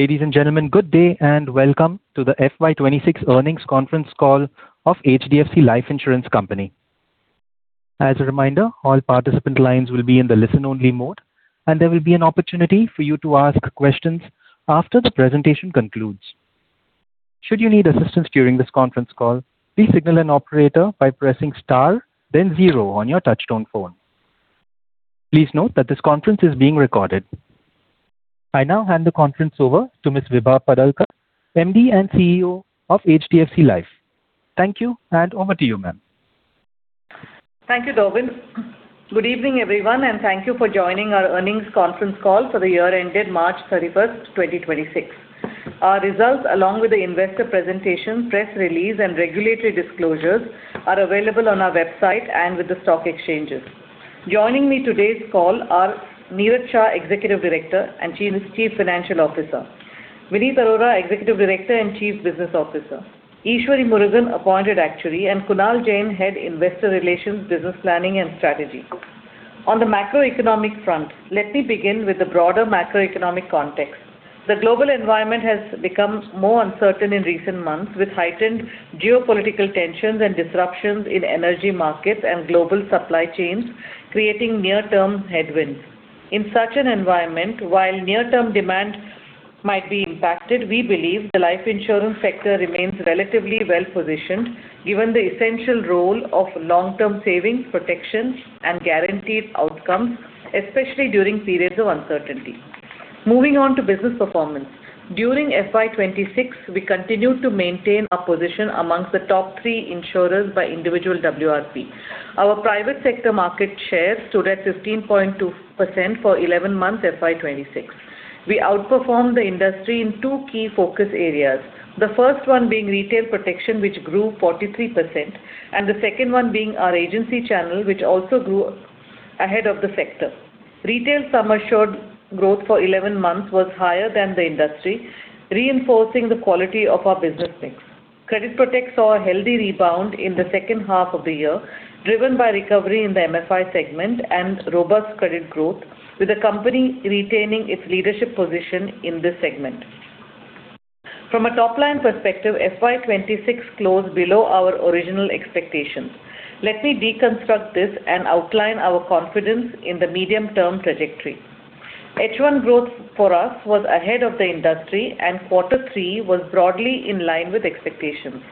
Ladies and gentlemen, good day, and welcome to the FY 2026 earnings conference call of HDFC Life Insurance Company. As a reminder, all participant lines will be in the listen-only mode, and there will be an opportunity for you to ask questions after the presentation concludes. Should you need assistance during this conference call, please signal an operator by pressing star then zero on your touch-tone phone. Please note that this conference is being recorded. I now hand the conference over to Ms. Vibha Padalkar, MD and CEO of HDFC Life. Thank you, and over to you, ma'am. Thank you, Robin. Good evening, everyone, and thank you for joining our earnings conference call for the year ended March 31st, 2026. Our results, along with the investor presentation, press release, and regulatory disclosures are available on our website and with the stock exchanges. Joining me on today's call are Niraj Shah, Executive Director and Chief Financial Officer; Vineet Arora, Executive Director and Chief Business Officer; Eshwari Murugan, Appointed Actuary; and Kunal Jain, Head Investor Relations, Business Planning and Strategy. On the macroeconomic front, let me begin with the broader macroeconomic context. The global environment has become more uncertain in recent months, with heightened geopolitical tensions and disruptions in energy markets and global supply chains creating near-term headwinds. In such an environment, while near-term demand might be impacted, we believe the life insurance sector remains relatively well-positioned given the essential role of long-term savings, protection, and guaranteed outcomes, especially during periods of uncertainty. Moving on to business performance. During FY 2026, we continued to maintain our position among the top three insurers by individual WRP. Our private sector market share stood at 15.2% for 11 months FY 2026. We outperformed the industry in two key focus areas, the first one being retail protection, which grew 43%, and the second one being our agency channel, which also grew ahead of the sector. Retail sum assured growth for 11 months was higher than the industry, reinforcing the quality of our business mix. Credit Protect saw a healthy rebound in the second half of the year, driven by recovery in the MFI segment and robust credit growth, with the company retaining its leadership position in this segment. From a top-line perspective, FY 2026 closed below our original expectations. Let me deconstruct this and outline our confidence in the medium-term trajectory. H1 growth for us was ahead of the industry, and quarter three was broadly in line with expectations.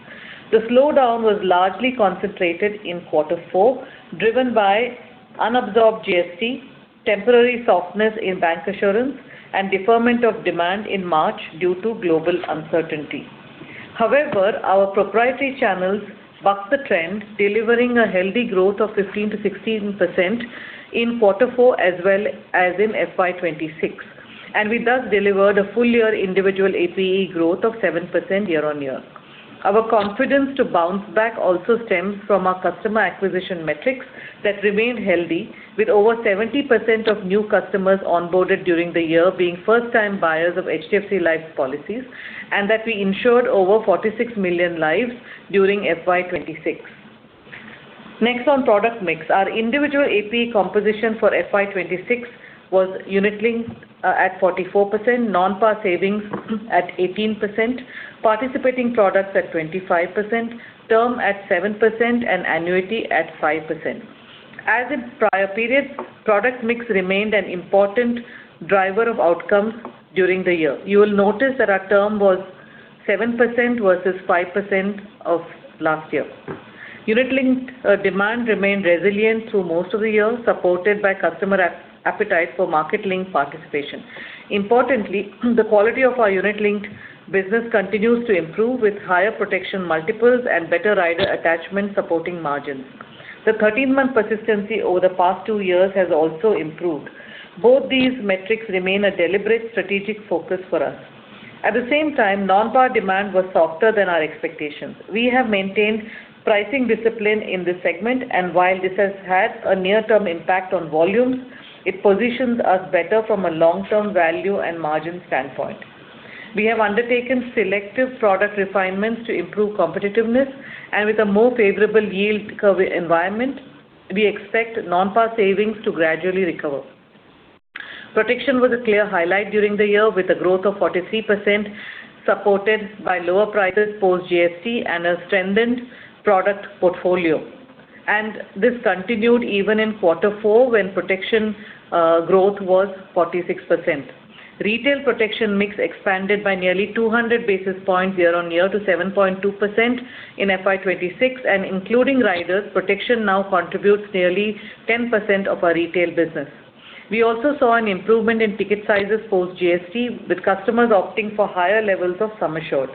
The slowdown was largely concentrated in quarter four, driven by unabsorbed GST, temporary softness in bank assurance, and deferment of demand in March due to global uncertainty. However, our proprietary channels bucked the trend, delivering a healthy growth of 15%-16% in quarter four, as well as in FY 2026, and we thus delivered a full year individual APE growth of 7% year-on-year. Our confidence to bounce back also stems from our customer acquisition metrics that remained healthy, with over 70% of new customers onboarded during the year being first-time buyers of HDFC Life policies, and that we insured over 46 million lives during FY 2026. Next, on product mix. Our individual APE composition for FY 2026 was Unit Linked at 44%, non-par savings at 18%, Participating Products at 25%, Term at 7%, and Annuity at 5%. As in prior periods, product mix remained an important driver of outcomes during the year. You will notice that our Term was 7% versus 5% of last year. Unit-linked demand remained resilient through most of the year, supported by customer appetite for market-linked participation. Importantly, the quality of our unit-linked business continues to improve, with higher protection multiples and better rider attachment supporting margins. The 13-month persistency over the past two years has also improved. Both these metrics remain a deliberate strategic focus for us. At the same time, non-par demand was softer than our expectations. We have maintained pricing discipline in this segment, and while this has had a near-term impact on volumes, it positions us better from a long-term value and margin standpoint. We have undertaken selective product refinements to improve competitiveness, and with a more favorable yield curve environment, we expect non-par savings to gradually recover. Protection was a clear highlight during the year with a growth of 43%, supported by lower prices post-GST and a strengthened product portfolio. This continued even in quarter four, when protection growth was 46%. Retail protection mix expanded by nearly 200 basis points year-on-year to 7.2% in FY 2026, and including riders, protection now contributes nearly 10% of our retail business. We also saw an improvement in ticket sizes post-GST, with customers opting for higher levels of sum assured.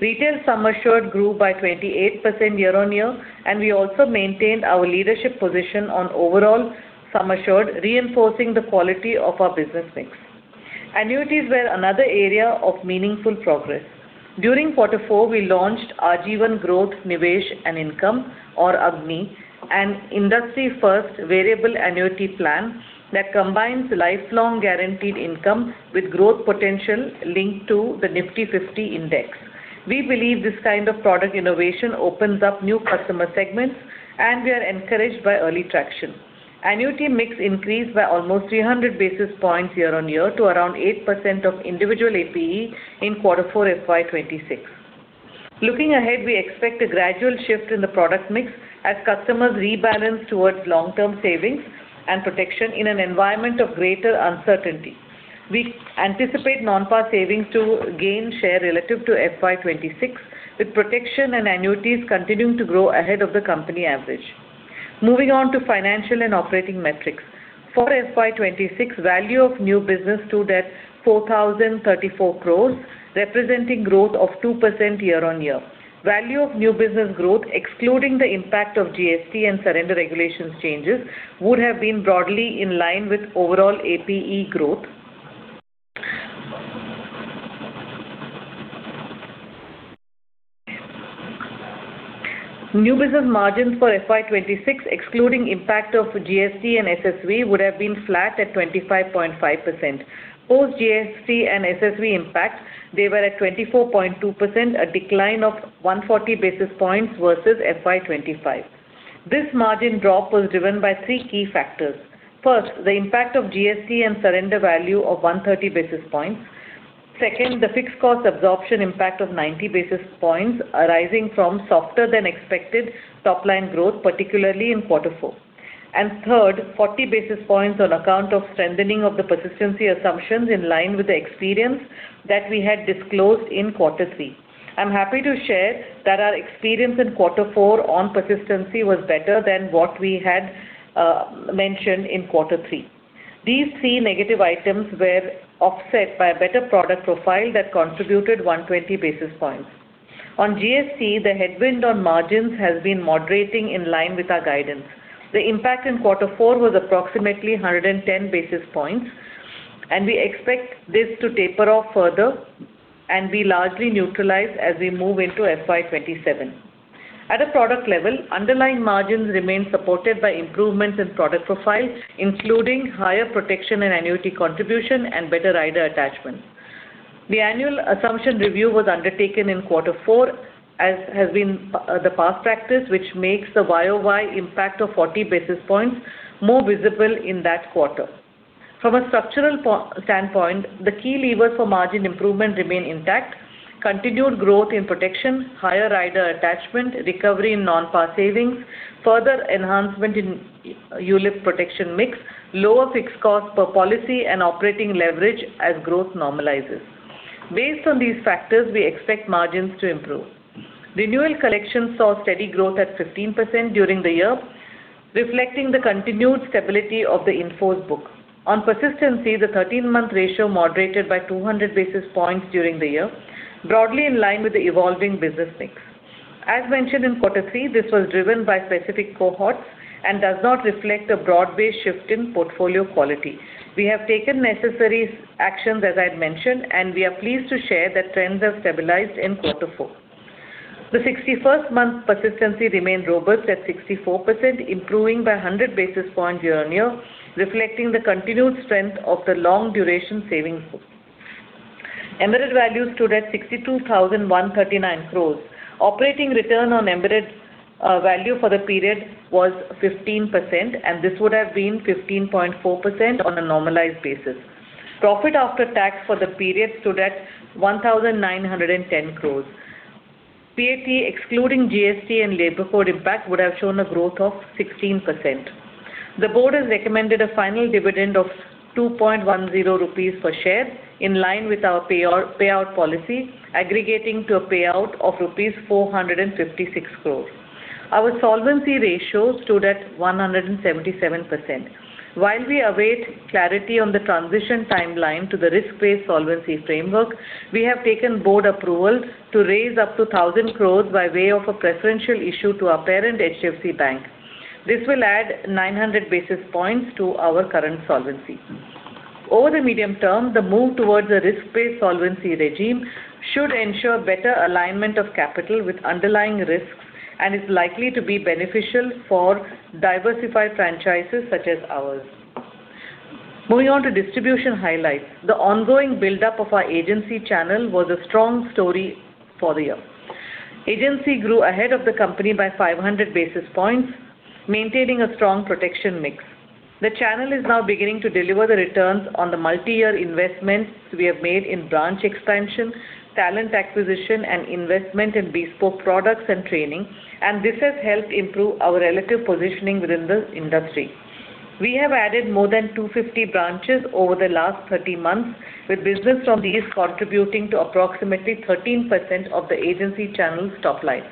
Retail sum assured grew by 28% year-on-year, and we also maintained our leadership position on overall sum assured, reinforcing the quality of our business mix. Annuities were another area of meaningful progress. During quarter four, we launched Aajeevan Growth, Nivesh and Income or AGNI, an industry-first variable annuity plan that combines lifelong guaranteed income with growth potential linked to the Nifty 50 index. We believe this kind of product innovation opens up new customer segments, and we are encouraged by early traction. Annuity mix increased by almost 300 basis points year-on-year to around 8% of individual APE in quarter four FY 2026. Looking ahead, we expect a gradual shift in the product mix as customers rebalance towards long-term savings and protection in an environment of greater uncertainty. We anticipate non-par savings to gain share relative to FY 2026, with protection and annuities continuing to grow ahead of the company average. Moving on to financial and operating metrics. For FY 2026, value of new business stood at 4,034 crores, representing growth of 2% year-on-year. Value of new business growth, excluding the impact of GST and surrender regulations changes, would have been broadly in line with overall APE growth. New business margins for FY 2026, excluding impact of GST and SSV, would have been flat at 25.5%. Post-GST and SSV impact, they were at 24.2%, a decline of 140 basis points versus FY 2025. This margin drop was driven by three key factors. First, the impact of GST and surrender value of 130 basis points. Second, the fixed cost absorption impact of 90 basis points arising from softer than expected top-line growth, particularly in quarter four. Third, 40 basis points on account of strengthening of the persistency assumptions in line with the experience that we had disclosed in quarter three. I'm happy to share that our experience in quarter four on persistency was better than what we had mentioned in quarter three. These three negative items were offset by a better product profile that contributed 120 basis points. On GST, the headwind on margins has been moderating in line with our guidance. The impact in quarter four was approximately 110 basis points, and we expect this to taper off further and be largely neutralized as we move into FY 2027. At a product level, underlying margins remain supported by improvements in product profile, including higher protection and annuity contribution, and better rider attachment. The annual assumption review was undertaken in quarter four, as has been the past practice, which makes the YOY impact of 40 basis points more visible in that quarter. From a structural standpoint, the key levers for margin improvement remain intact, continued growth in protection, higher rider attachment, recovery in non-par savings, further enhancement in ULIP protection mix, lower fixed cost per policy, and operating leverage as growth normalizes. Based on these factors, we expect margins to improve. Renewal collections saw steady growth at 15% during the year, reflecting the continued stability of the in-force book. On persistency, the 13-month ratio moderated by 200 basis points during the year, broadly in line with the evolving business mix. As mentioned in quarter three, this was driven by specific cohorts and does not reflect a broad-based shift in portfolio quality. We have taken necessary actions, as I'd mentioned, and we are pleased to share that trends have stabilized in quarter four. The 61st-month persistency remained robust at 64%, improving by 100 basis point year-on-year, reflecting the continued strength of the long-duration savings book. Embedded values stood at 62,139 crores. Operating return on embedded value for the period was 15%, and this would have been 15.4% on a normalized basis. Profit after tax for the period stood at 1,910 crores. PAT, excluding GST and labor code impact, would have shown a growth of 16%. The board has recommended a final dividend of 2.10 rupees per share, in line with our payout policy, aggregating to a payout of rupees 456 crores. Our solvency ratio stood at 177%. While we await clarity on the transition timeline to the risk-based solvency framework, we have taken board approvals to raise up to 1,000 crore by way of a preferential issue to our parent HDFC Bank. This will add 900 basis points to our current solvency. Over the medium term, the move towards a risk-based solvency regime should ensure better alignment of capital with underlying risks and is likely to be beneficial for diversified franchises such as ours. Moving on to distribution highlights. The ongoing buildup of our agency channel was a strong story for the year. Agency grew ahead of the company by 500 basis points, maintaining a strong protection mix. The channel is now beginning to deliver the returns on the multi-year investments we have made in branch expansion, talent acquisition, and investment in bespoke products and training, and this has helped improve our relative positioning within the industry. We have added more than 250 branches over the last 30 months, with business from these contributing to approximately 13% of the agency channel's top line.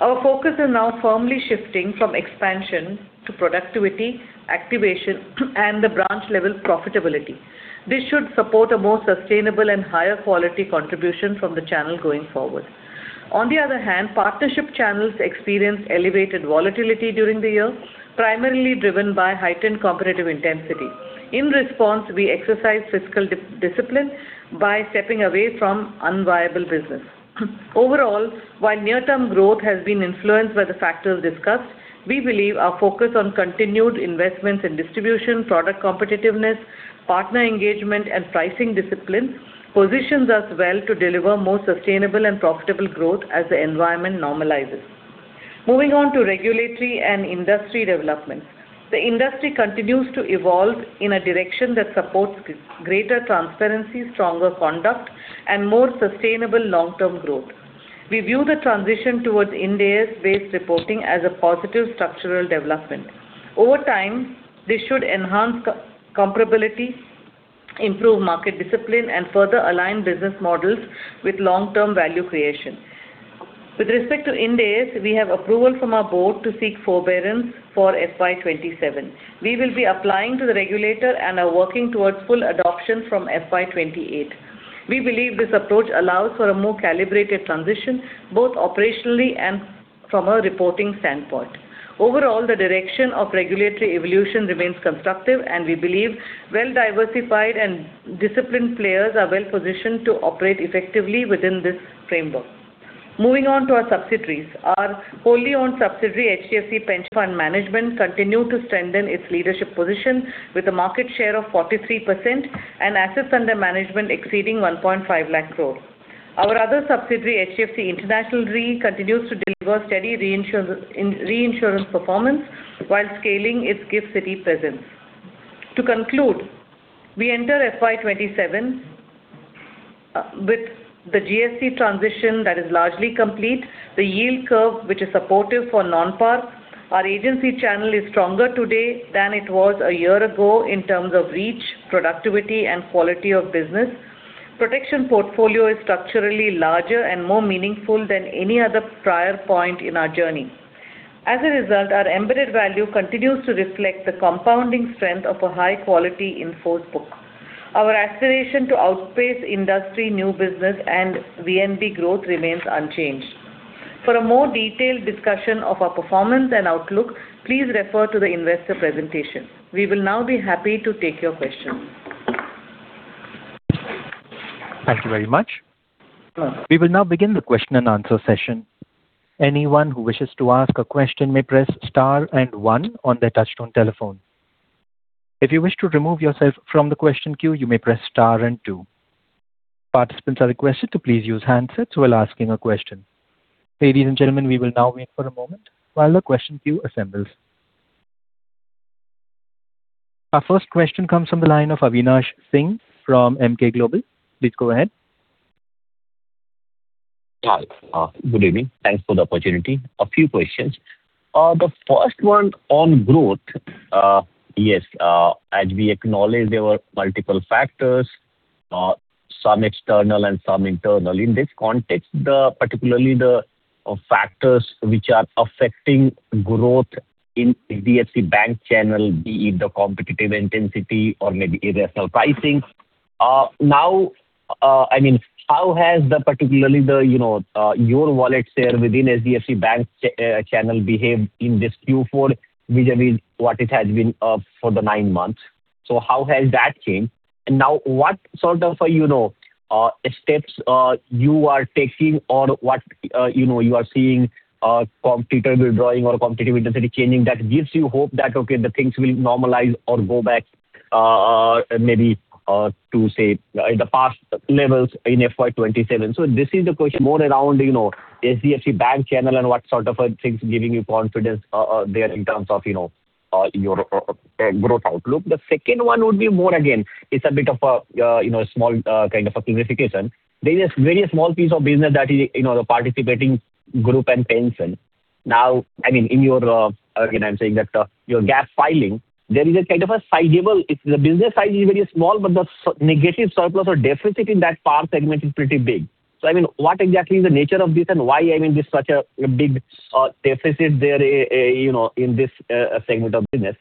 Our focus is now firmly shifting from expansion to productivity, activation, and the branch-level profitability. This should support a more sustainable and higher quality contribution from the channel going forward. On the other hand, partnership channels experienced elevated volatility during the year, primarily driven by heightened competitive intensity. In response, we exercised fiscal discipline by stepping away from unviable business. Overall, while near-term growth has been influenced by the factors discussed, we believe our focus on continued investments in distribution, product competitiveness, partner engagement, and pricing discipline positions us well to deliver more sustainable and profitable growth as the environment normalizes. Moving on to regulatory and industry developments. The industry continues to evolve in a direction that supports greater transparency, stronger conduct, and more sustainable long-term growth. We view the transition towards Ind AS-based reporting as a positive structural development. Over time, this should enhance comparability, improve market discipline, and further align business models with long-term value creation. With respect to Ind AS, we have approval from our board to seek forbearance for FY 2027. We will be applying to the regulator and are working towards full adoption from FY 2028. We believe this approach allows for a more calibrated transition, both operationally and from a reporting standpoint. Overall, the direction of regulatory evolution remains constructive, and we believe well-diversified and disciplined players are well-positioned to operate effectively within this framework. Moving on to our subsidiaries. Our wholly-owned subsidiary, HDFC Pension Management Company, continued to strengthen its leadership position with a market share of 43% and assets under management exceeding 1.5 lakh crore. Our other subsidiary, HDFC International Re, continues to deliver steady reinsurance performance while scaling its GIFT City presence. To conclude, we enter FY 2027 with the GSE transition that is largely complete, the yield curve, which is supportive for non-par. Our agency channel is stronger today than it was a year ago in terms of reach, productivity and quality of business. Protection portfolio is structurally larger and more meaningful than any other prior point in our journey. As a result, our embedded value continues to reflect the compounding strength of a high-quality in-force book. Our aspiration to outpace industry new business and VNB growth remains unchanged. For a more detailed discussion of our performance and outlook, please refer to the investor presentation. We will now be happy to take your questions. Thank you very much. We will now begin the question-and-answer session. Anyone who wishes to ask a question may press star and one on their touch-tone telephone. If you wish to remove yourself from the question queue, you may press star and two. Participants are requested to please use handsets while asking a question. Ladies and gentlemen, we will now wait for a moment while the question queue assembles. Our first question comes from the line of Avinash Singh from Emkay Global. Please go ahead. Hi. Good evening. Thanks for the opportunity. A few questions. The first one on growth. Yes, as we acknowledge, there were multiple factors, some external and some internal. In this context, particularly the factors which are affecting growth in HDFC Bank channel, be it the competitive intensity or maybe [ASSL] pricing. How has particularly your wallet share within HDFC Bank channel behaved in this Q4 vis-à-vis what it has been for the nine months? How has that changed? Now what sort of steps you are taking or what you are seeing competitor withdrawing or competitive intensity changing that gives you hope that, okay, the things will normalize or go back maybe to, say, the past levels in FY 2027. This is the question more around HDFC Bank channel and what sort of things giving you confidence there in terms of your growth outlook. The second one would be more, again, it's a bit of a small kind of a clarification. There is a very small piece of business that is the participating group and pension. Now, again, I'm saying that your GAAP filing, there is a kind of a sizable, the business size is very small, but the negative surplus or deficit in that par segment is pretty big. What exactly is the nature of this and why is such a big deficit there in this segment of business?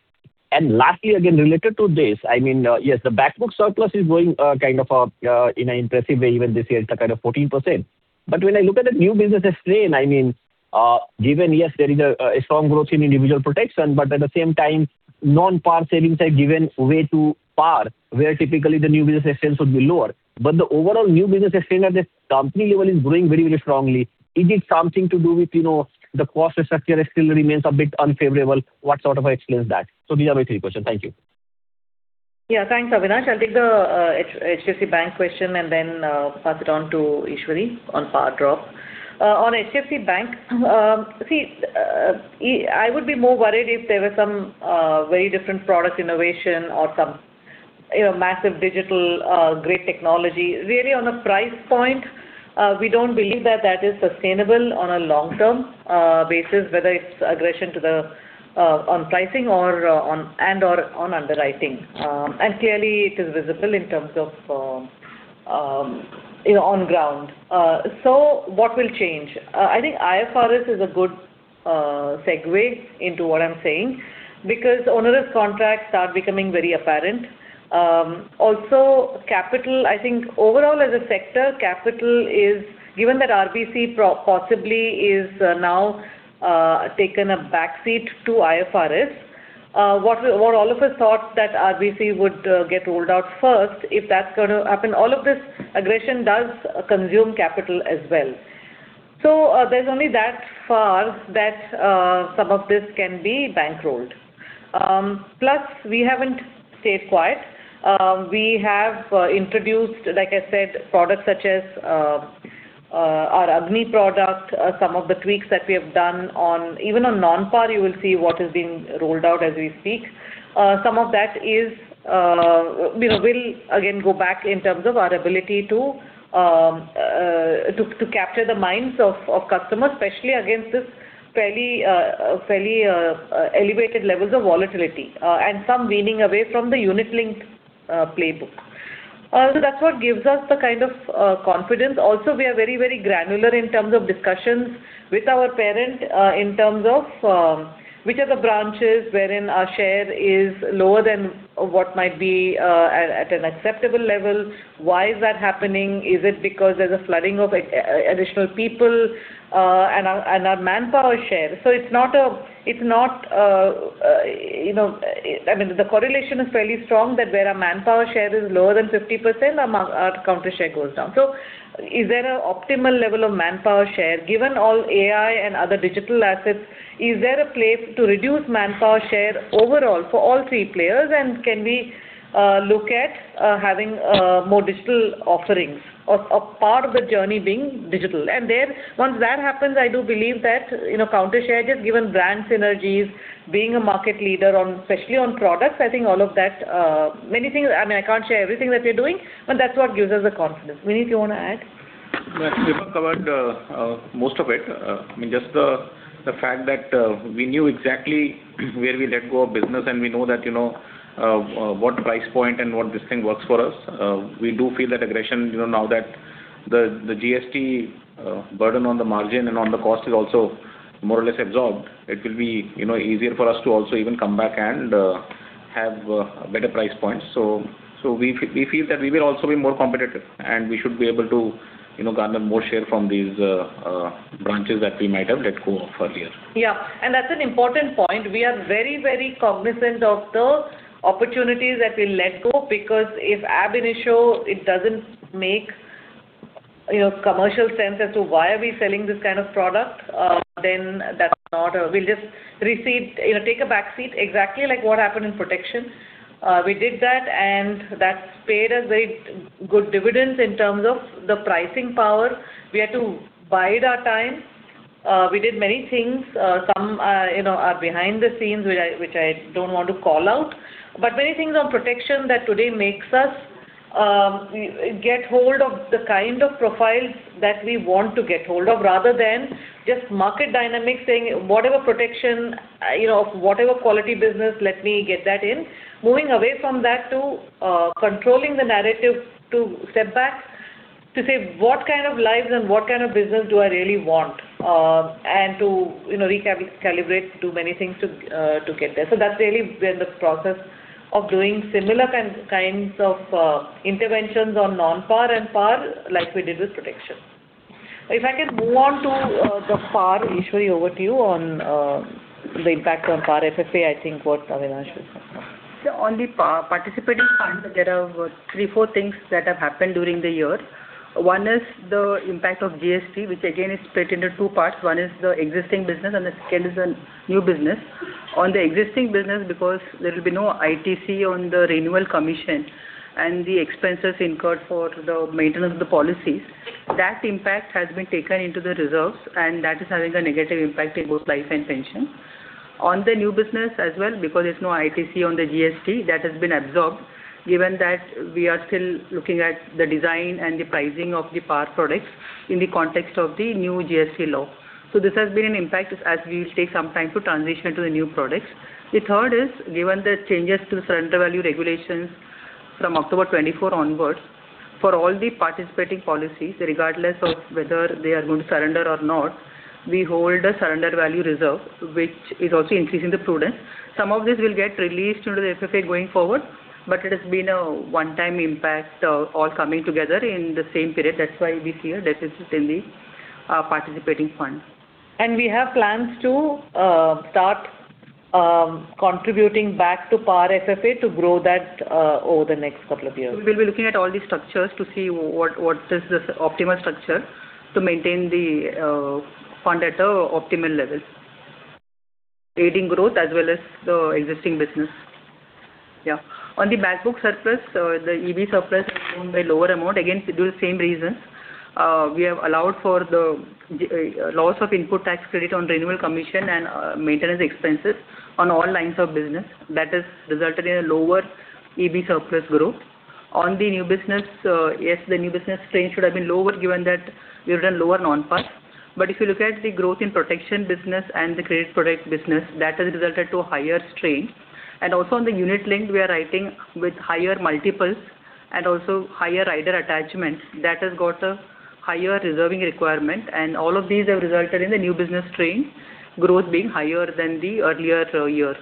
Lastly, again, related to this, yes, the back book surplus is growing kind of in an impressive way even this year, it's kind of 14%. When I look at the new business strain, given, yes, there is a strong growth in individual protection, but at the same time, non-par savings are giving way to par, where typically the new business expense would be lower. The overall new business strain at the company level is growing very, very strongly. Is it something to do with the cost structure still remains a bit unfavorable? What sort of explains that? These are my three questions. Thank you. Yeah, thanks, Avinash. I'll take the HDFC Bank question and then pass it on to Eshwari on par drop. On HDFC Bank, see, I would be more worried if there were some very different product innovation or some massive digital great technology. Really on a price point, we don't believe that is sustainable on a long-term basis, whether it's aggression on pricing and/or on underwriting. Clearly it is visible in terms of on ground. What will change? I think IFRS is a good segue into what I'm saying because onerous contracts are becoming very apparent. Also capital, I think overall as a sector, capital is given that RBC possibly is now taken a back seat to IFRS. What all of us thought that RBC would get rolled out first, if that's going to happen, all of this aggression does consume capital as well. There's only that far that some of this can be bankrolled. Plus, we haven't stayed quiet. We have introduced, like I said, products such as our AGNI product. Some of the tweaks that we have done on even on non-par, you will see what is being rolled out as we speak. Some of that will again go back in terms of our ability to capture the minds of customers, especially against this fairly elevated levels of volatility, and some weaning away from the unit-linked playbook. That's what gives us the kind of confidence. Also, we are very, very granular in terms of discussions with our parent, in terms of which are the branches wherein our share is lower than what might be at an acceptable level. Why is that happening? Is it because there's a flooding of additional people and our manpower share? I mean, the correlation is fairly strong that where our manpower share is lower than 50%, our counter share goes down. Is there an optimal level of manpower share given all AI and other digital assets? Is there a place to reduce manpower share overall for all three players? Can we look at having more digital offerings or part of the journey being digital? There, once that happens, I do believe that counter share, just given brand synergies, being a market leader, especially on products, I think all of that. I can't share everything that we're doing, but that's what gives us the confidence. Vineet, you want to add? Yes. Vibha covered most of it. Just the fact that we knew exactly where we let go of business, and we know that what price point and what this thing works for us. We do feel that aggression now that the GST burden on the margin and on the cost is also more or less absorbed. It will be easier for us to also even come back and have better price points. We feel that we will also be more competitive, and we should be able to garner more share from these branches that we might have let go of earlier. Yes, that's an important point. We are very, very cognizant of the opportunities that we let go, because if ab initio it doesn't make commercial sense as to why are we selling this kind of product, then we'll just take a back seat, exactly like what happened in protection. We did that, and that's paid us very good dividends in terms of the pricing power. We had to bide our time. We did many things. Some are behind the scenes, which I don't want to call out. Many things on protection that today makes us get hold of the kind of profiles that we want to get hold of, rather than just market dynamics saying, whatever protection, whatever quality business, let me get that in. Moving away from that to controlling the narrative, to step back, to say what kind of lives and what kind of business do I really want, and to recalibrate, do many things to get there. That's really where we're in the process of doing similar kinds of interventions on non-par and par, like we did with protection. If I can move on to the par, Eshwari over to you on the impact on par FFA, I think what Avinash was talking about. On the participating front, there are three, four things that have happened during the year. One is the impact of GST, which again is split into two parts. One is the existing business and the second is the new business. On the existing business, because there'll be no ITC on the renewal commission and the expenses incurred for the maintenance of the policies, that impact has been taken into the reserves, and that is having a negative impact in both life and pension. On the new business as well, because there's no ITC on the GST, that has been absorbed, given that we are still looking at the design and the pricing of the par products in the context of the new GST law. This has been an impact as we will take some time to transition to the new products. The third is, given the changes to the surrender value regulations from October 2024 onwards, for all the participating policies, regardless of whether they are going to surrender or not, we hold a surrender value reserve, which is also increasing the prudence. Some of this will get released into the FFA going forward, but it has been a one-time impact all coming together in the same period. That's why we feel deficit in the participating funds. We have plans to start contributing back to par FFA to grow that over the next couple of years. We'll be looking at all the structures to see what is the optimal structure to maintain the fund at an optimal level, creating growth as well as the existing business. On the back book surplus, the EB surplus is down by lower amount. Again, due to same reason. We have allowed for the loss of input tax credit on renewal commission and maintenance expenses on all lines of business. That has resulted in a lower EB surplus growth. On the new business, yes, the new business strain should have been lower given that we've done lower non-par. If you look at the growth in protection business and the credit product business, that has resulted to a higher strain. Also on the unit link, we are writing with higher multiples and also higher rider attachments. That has got a higher reserving requirement, and all of these have resulted in the new business strain growth being higher than the earlier years.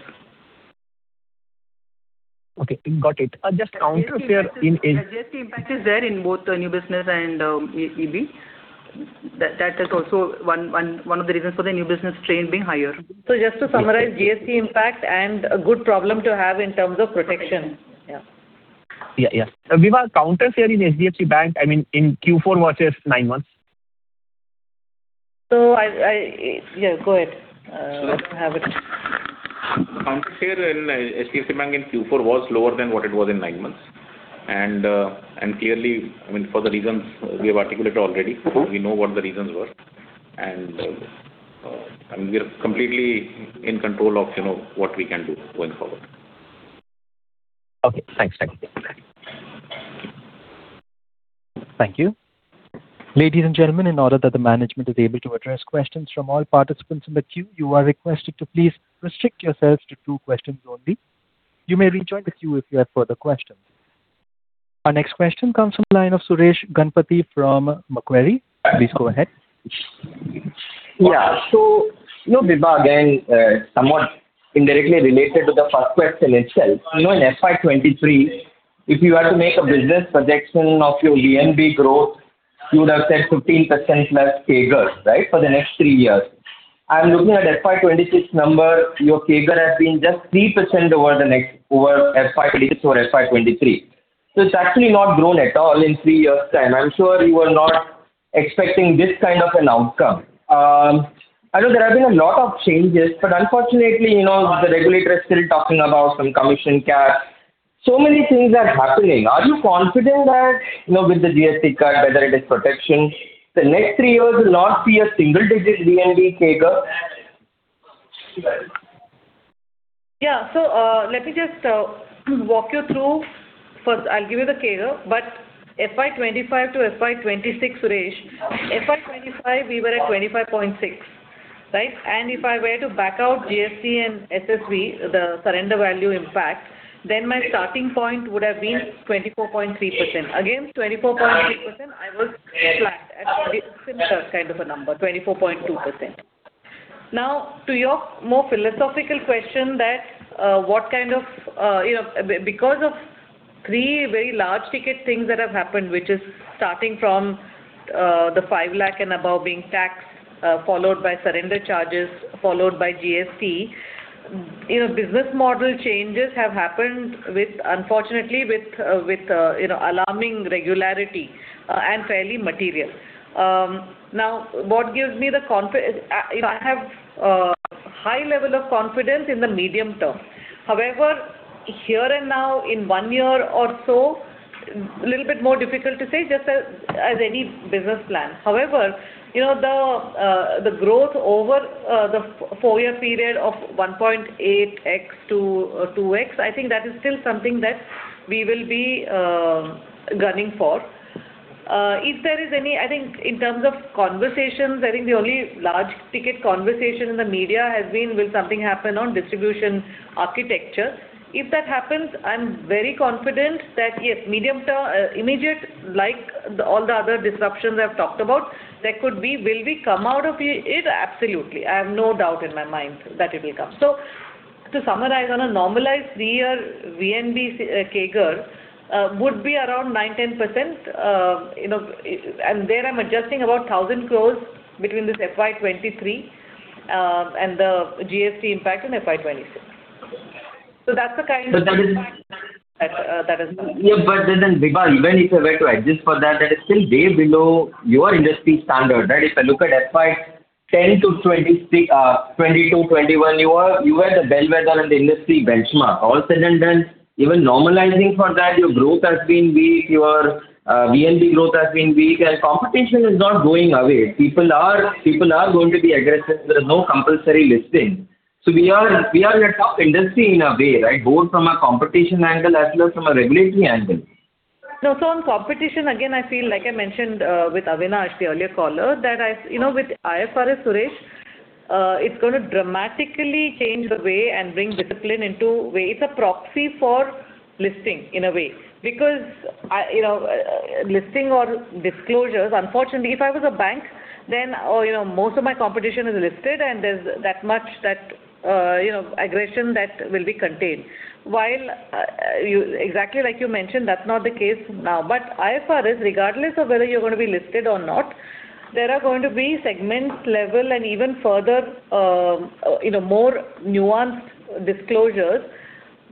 Okay, got it. GST impact is there in both the new business and EB. That is also one of the reasons for the new business strain being higher. Just to summarize GST impact and a good problem to have in terms of protection. Yes. Vibha, counter share in HDFC Bank, in Q4 versus nine months. Yes, go ahead. I don't have it. Counter share in HDFC Bank in Q4 was lower than what it was in nine months. Clearly, for the reasons we have articulated already, we know what the reasons were. We're completely in control of what we can do going forward. Okay, thanks. Thank you. Ladies and gentlemen, in order that the management is able to address questions from all participants in the queue, you are requested to please restrict yourselves to two questions only. You may rejoin the queue if you have further questions. Our next question comes from the line of Suresh Ganapathy from Macquarie. Please go ahead. Yes. Vibha, again, somewhat indirectly related to the first question itself. In FY 2023, if you had to make a business projection of your VNB growth, you would have said 15%+ CAGR, right? For the next three years. I'm looking at FY 2026 number, your CAGR has been just 3% over FY 2026 or FY 2023. It's actually not grown at all in three years' time. I'm sure you were not expecting this kind of an outcome. I know there have been a lot of changes, but unfortunately, the regulator is still talking about some commission cap. Many things are happening. Are you confident that with the GST cut, whether it is protection, the next three years will not be a single-digit VNB CAGR? Yeah. Let me just walk you through. First, I'll give you the CAGR, but FY 2025 to FY 2026, Suresh. FY 2025, we were at 25.6%. Right? If I were to back out GST and SSV, the surrender value impact, then my starting point would have been 24.3%. Again, 24.3%, I was flat at similar kind of a number, 24.2%. Now, to your more philosophical question that because of three very large ticket things that have happened, which is starting from 5 lakh and above being taxed, followed by surrender charges, followed by GST. Business model changes have happened, unfortunately, with alarming regularity and fairly material. I have a high level of confidence in the medium term. However, here and now, in one year or so, a little bit more difficult to say, just as any business plan. However, the growth over the four-year period of 1.8x-2x, I think that is still something that we will be gunning for. I think in terms of conversations, I think the only large ticket conversation in the media has been will something happen on distribution architecture. If that happens, I'm very confident that, yes, medium-term, immediate, like all the other disruptions I've talked about, will we come out of it? Absolutely. I have no doubt in my mind that it will come. To summarize on a normalized three-year VNB CAGR would be around 9%-10%, and there I'm adjusting about 1,000 crore between this FY 2023 and the GST impact in FY 2026. That's the kind that is. Yeah, Vibha, even if I were to adjust for that is still way below your industry standard, right? If I look at FY 2010 to 2022, 2021, you were the bellwether and the industry benchmark. All said and done, even normalizing for that, your growth has been weak, your VNB growth has been weak, and competition is not going away. People are going to be aggressive. There is no compulsory listing. We are in a tough industry in a way, right? Both from a competition angle as well as from a regulatory angle. On competition, again, I feel like I mentioned with Avinash, the earlier caller, that with IFRS, Suresh, it's going to dramatically change the way and bring discipline into way. It's a proxy for listing in a way. Because listing or disclosures, unfortunately, if I was a bank, then most of my competition is listed and there's that much aggression that will be contained. While exactly like you mentioned, that's not the case now. IFRS, regardless of whether you're going to be listed or not, there are going to be segment level and even further more nuanced disclosures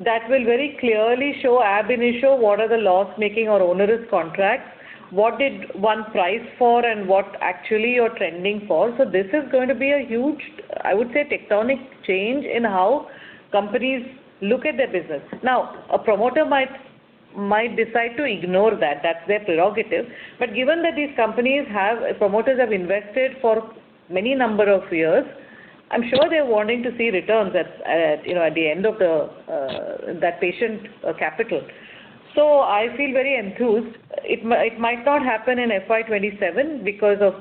that will very clearly show ab initio what are the loss-making or onerous contracts, what did one price for and what actually you're trending for. This is going to be a huge, I would say, tectonic change in how companies look at their business. Now, a promoter might decide to ignore that. That's their prerogative. Given that these promoters have invested for many number of years, I'm sure they're wanting to see returns at the end of that patient capital. I feel very enthused. It might not happen in FY 2027 because of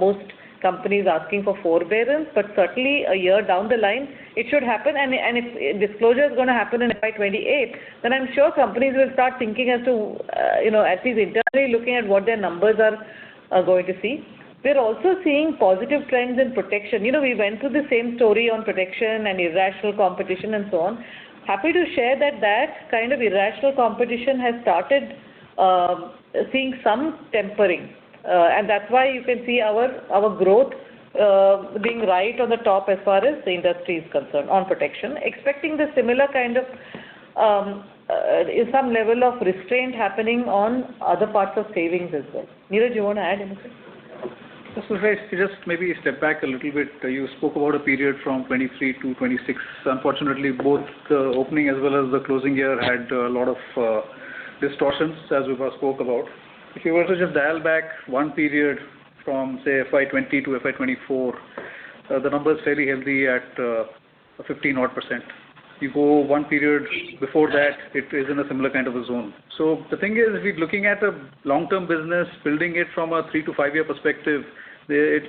most companies asking for forbearance, but certainly a year down the line, it should happen and if disclosure is going to happen in FY 2028, then I'm sure companies will start thinking as to at least internally looking at what their numbers are going to see. We're also seeing positive trends in protection. We went through the same story on protection and irrational competition and so on. Happy to share that kind of irrational competition has started seeing some tempering, and that's why you can see our growth being right on the top as far as the industry is concerned on protection. Expecting the similar kind of some level of restraint happening on other parts of savings as well. Niraj, you want to add anything? Suresh Ganapathy, just maybe step back a little bit. You spoke about a period from 2023-2026. Unfortunately, both the opening as well as the closing year had a lot of distortions as Vibha Padalkar spoke about. If you were to just dial back one period from, say, FY 2020 to FY 2024, the number is fairly healthy at 15-odd%. You go one period before that, it is in a similar kind of a zone. The thing is, if you're looking at a long-term business, building it from a three to five year perspective, the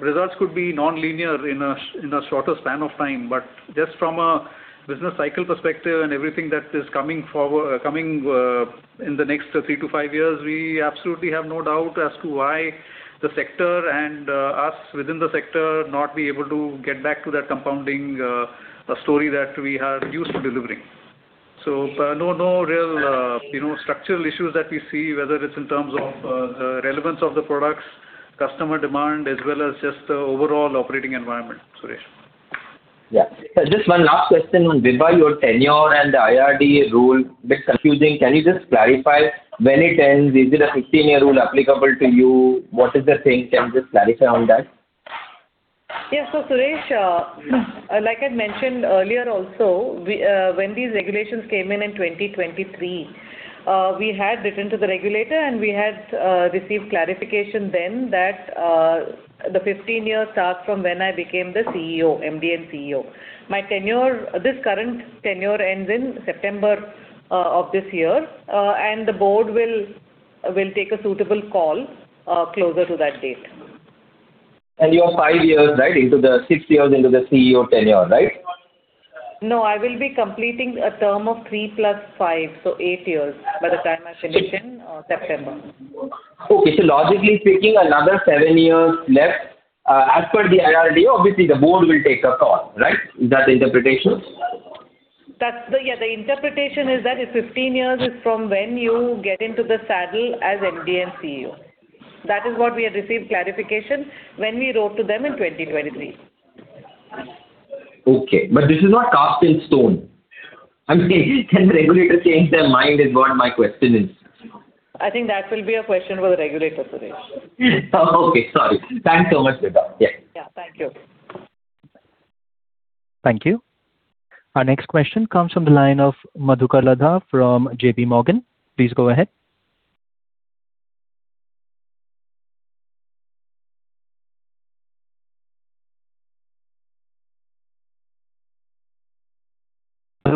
results could be nonlinear in a shorter span of time. Just from a business cycle perspective and everything that is coming in the next three to five years, we absolutely have no doubt as to why the sector and us within the sector not be able to get back to that compounding story that we are used to delivering. No real structural issues that we see, whether it's in terms of the relevance of the products, customer demand, as well as just the overall operating environment, Suresh. Yeah. Just one last question on Vibha, your tenure and the IRDAI rule, a bit confusing. Can you just clarify when it ends? Is it a 15-year rule applicable to you? What is the thing? Can you just clarify on that? Yeah. Suresh, like I'd mentioned earlier also, when these regulations came in in 2023, we had written to the regulator and we had received clarification then that the 15 years starts from when I became the MD and CEO. This current tenure ends in September of this year. The board will take a suitable call closer to that date. You have five years, right, into the six years into the CEO tenure, right? No, I will be completing a term of three plus five, so eight years by the time I finish in September. Okay. Logically speaking, another seven years left, as per the IRDAI. Obviously, the board will take a call, right? Is that the interpretation? Yeah, the interpretation is that it's 15 years from when you get into the saddle as MD and CEO. That is what we had received, clarification when we wrote to them in 2023. Okay. This is not cast in stone. I mean, can the regulator change their mind is what my question is? I think that will be a question for the regulator, Suresh. Okay. Sorry. Thanks so much, Vibha. Yeah. Yeah. Thank you. Thank you. Our next question comes from the line of Madhukar Ladha from JPMorgan. Please go ahead.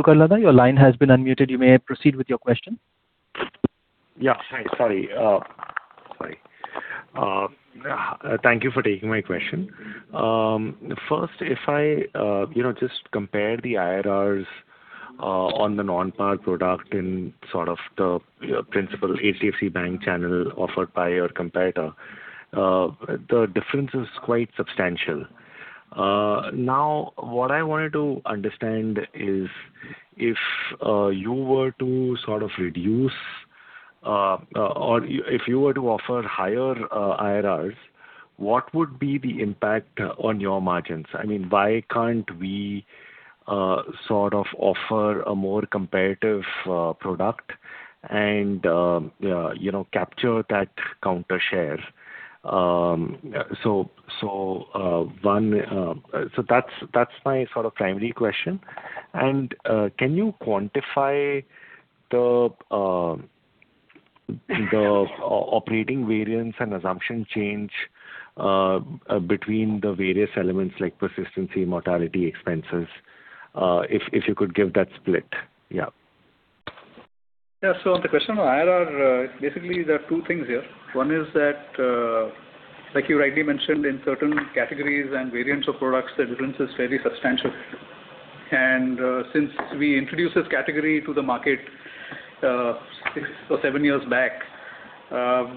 Madhukar Ladha, your line has been unmuted. You may proceed with your question. Yeah. Hi. Sorry. Thank you for taking my question. First, if I just compare the IRRs on the non-par product in sort of the principal HDFC Bank channel offered by your competitor, the difference is quite substantial. Now, what I wanted to understand is if you were to sort of reduce or if you were to offer higher IRRs, what would be the impact on your margins? I mean, why can't we sort of offer a more competitive product and capture that counter share? That's my sort of primary question. Can you quantify the operating variance and assumption change between the various elements like persistency, mortality, expenses? If you could give that split. Yeah. Yeah. On the question on IRR, basically, there are two things here. One is that, like you rightly mentioned, in certain categories and variants of products, the difference is fairly substantial. Since we introduced this category to the market six or seven years back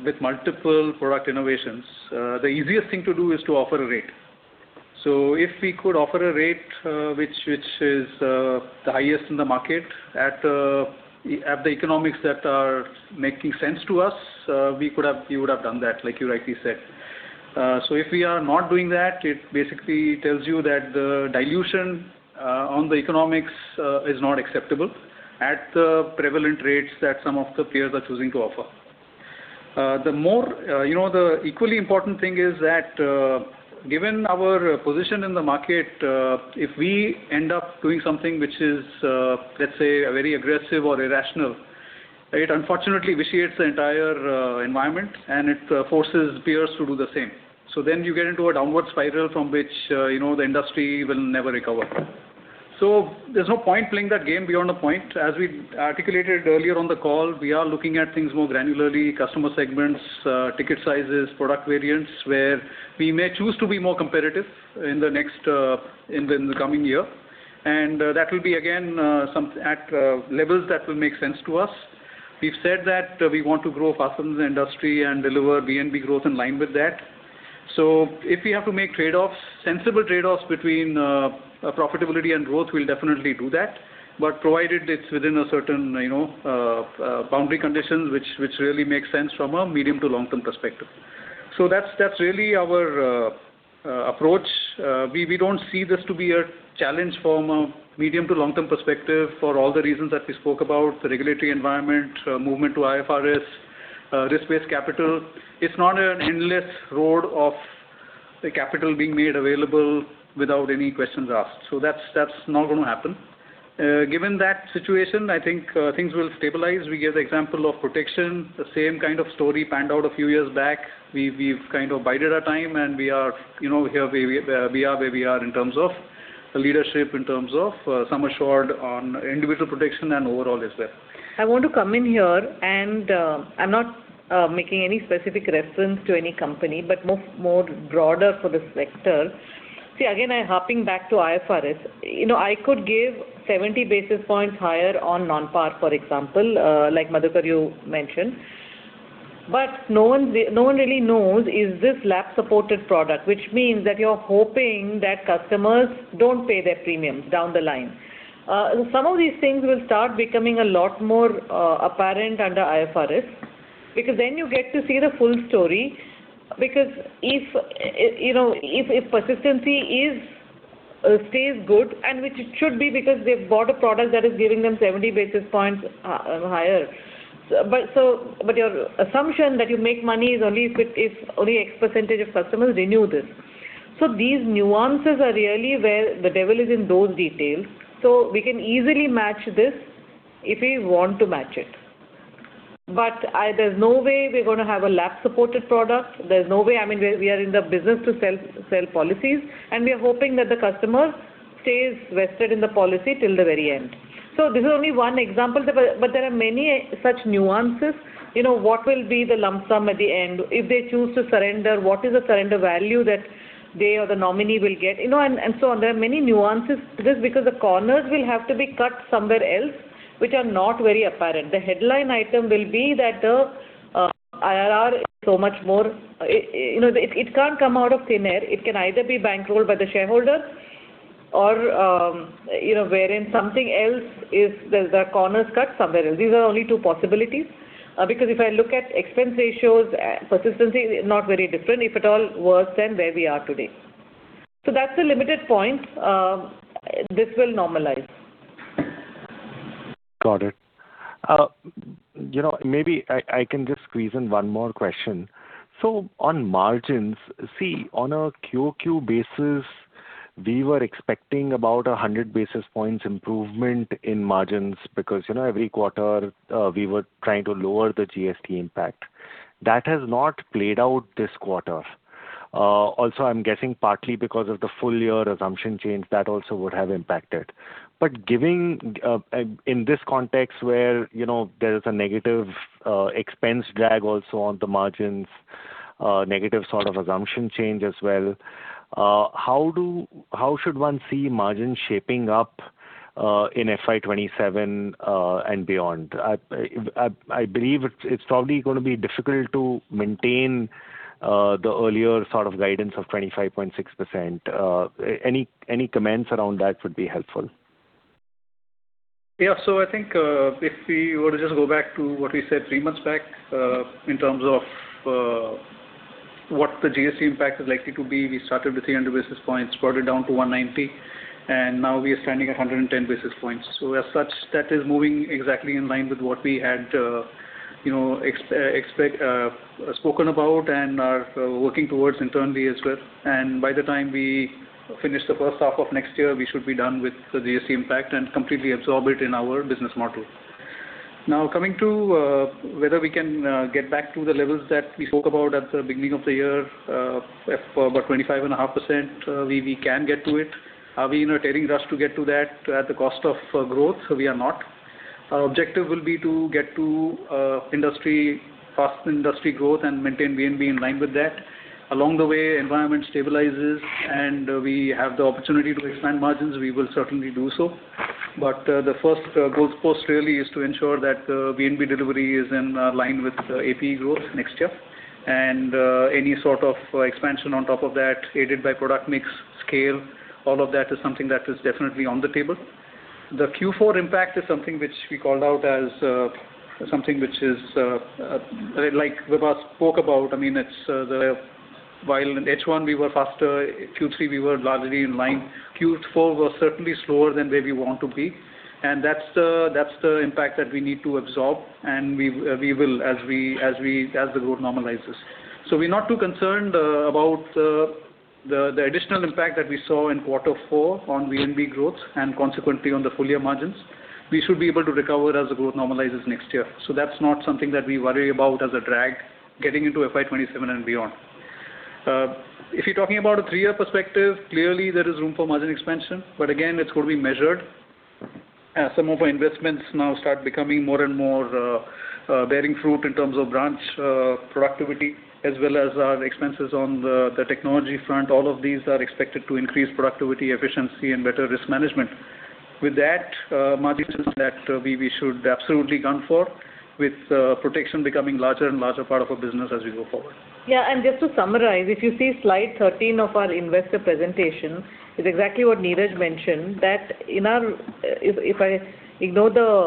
with multiple product innovations, the easiest thing to do is to offer a rate. If we could offer a rate which is the highest in the market at the economics that are making sense to us, we would have done that, like you rightly said. If we are not doing that, it basically tells you that the dilution on the economics is not acceptable at the prevalent rates that some of the peers are choosing to offer. The equally important thing is that given our position in the market, if we end up doing something which is, let's say, very aggressive or irrational, it unfortunately vitiates the entire environment, and it forces peers to do the same. You get into a downward spiral from which the industry will never recover. There's no point playing that game beyond a point. As we articulated earlier on the call, we are looking at things more granularly, customer segments, ticket sizes, product variants, where we may choose to be more competitive in the coming year. That will be again at levels that will make sense to us. We've said that we want to grow faster than the industry and deliver VNB growth in line with that. If we have to make sensible trade-offs between profitability and growth, we'll definitely do that. Provided it's within a certain boundary conditions, which really makes sense from a medium to long-term perspective. That's really our approach. We don't see this to be a challenge from a medium to long-term perspective for all the reasons that we spoke about, the regulatory environment, movement to IFRS, risk-based capital. It's not an endless road of the capital being made available without any questions asked. That's not going to happen. Given that situation, I think things will stabilize. We gave the example of protection. The same kind of story panned out a few years back. We've kind of bided our time, and we are where we are in terms of leadership, in terms of sum assured on individual protection, and overall as well. I want to come in here, and I'm not making any specific reference to any company, but more broader for the sector. See, again, I'm hopping back to IFRS. I could give 70 basis points higher on non-par, for example, like Madhukar, you mentioned. But no one really knows if this lapse-supported product, which means that you're hoping that customers don't pay their premiums down the line. Some of these things will start becoming a lot more apparent under IFRS. Because then you get to see the full story. Because if persistency stays good, and which it should be because they've bought a product that is giving them 70 basis points or higher. But your assumption that you make money is only if X% of customers renew this. So these nuances are really where the devil is in those details. We can easily match this if we want to match it. There's no way we're going to have a lapse-supported product. We are in the business to sell policies, and we are hoping that the customer stays vested in the policy till the very end. This is only one example, but there are many such nuances. What will be the lump sum at the end? If they choose to surrender, what is the surrender value that they or the nominee will get? And so on. There are many nuances to this because the corners will have to be cut somewhere else, which are not very apparent. The headline item will be that the IRR is so much more. It can't come out of thin air. It can either be bankrolled by the shareholder or wherein something else is, there's the corners cut somewhere else. These are only two possibilities. Because if I look at expense ratios, persistency is not very different, if at all worse than where we are today. That's the limited point. This will normalize. Got it. Maybe I can just squeeze in one more question. On margins, see, on a QOQ basis, we were expecting about 100 basis points improvement in margins because every quarter, we were trying to lower the GST impact. That has not played out this quarter. Also, I'm guessing partly because of the full year assumption change, that also would have impacted. In this context where there is a negative expense drag also on the margins, negative sort of assumption change as well, how should one see margin shaping up in FY 2027 and beyond? I believe it's probably going to be difficult to maintain the earlier sort of guidance of 25.6%. Any comments around that would be helpful. Yeah. I think, if we were to just go back to what we said three months back, in terms of what the GST impact is likely to be, we started with 300 basis points, brought it down to 190 basis point, and now we are standing at 110 basis points. As such, that is moving exactly in line with what we had spoken about and are working towards internally as well. By the time we finish the first half of next year, we should be done with the GST impact and completely absorb it in our business model. Now, coming to whether we can get back to the levels that we spoke about at the beginning of the year, about 25.5%, we can get to it. Are we in a tearing rush to get to that at the cost of growth? We are not. Our objective will be to get to fast industry growth and maintain VNB in line with that. Along the way as the environment stabilizes, and we have the opportunity to expand margins, we will certainly do so. The first goalpost really is to ensure that the VNB delivery is in line with APE growth next year. Any sort of expansion on top of that, aided by product mix, scale, all of that is something that is definitely on the table. The Q4 impact is something which we called out as something which is, like Vibha spoke about, while in H1 we were faster, Q3 we were largely in line. Q4 was certainly slower than where we want to be. That's the impact that we need to absorb and we will, as the growth normalizes. We're not too concerned about the additional impact that we saw in quarter four on VNB growth and consequently on the full year margins. We should be able to recover as the growth normalizes next year. That's not something that we worry about as a drag getting into FY 2027 and beyond. If you're talking about a three-year perspective, clearly there is room for margin expansion. Again, it's going to be measured as some of our investments now start becoming more and more bearing fruit in terms of branch productivity as well as our expenses on the technology front. All of these are expected to increase productivity, efficiency, and better risk management. With that, margins is that we should absolutely gun for with protection becoming larger and larger part of our business as we go forward. Yeah, just to summarize, if you see Slide 13 of our investor presentation, it's exactly what Niraj mentioned, that if I ignore the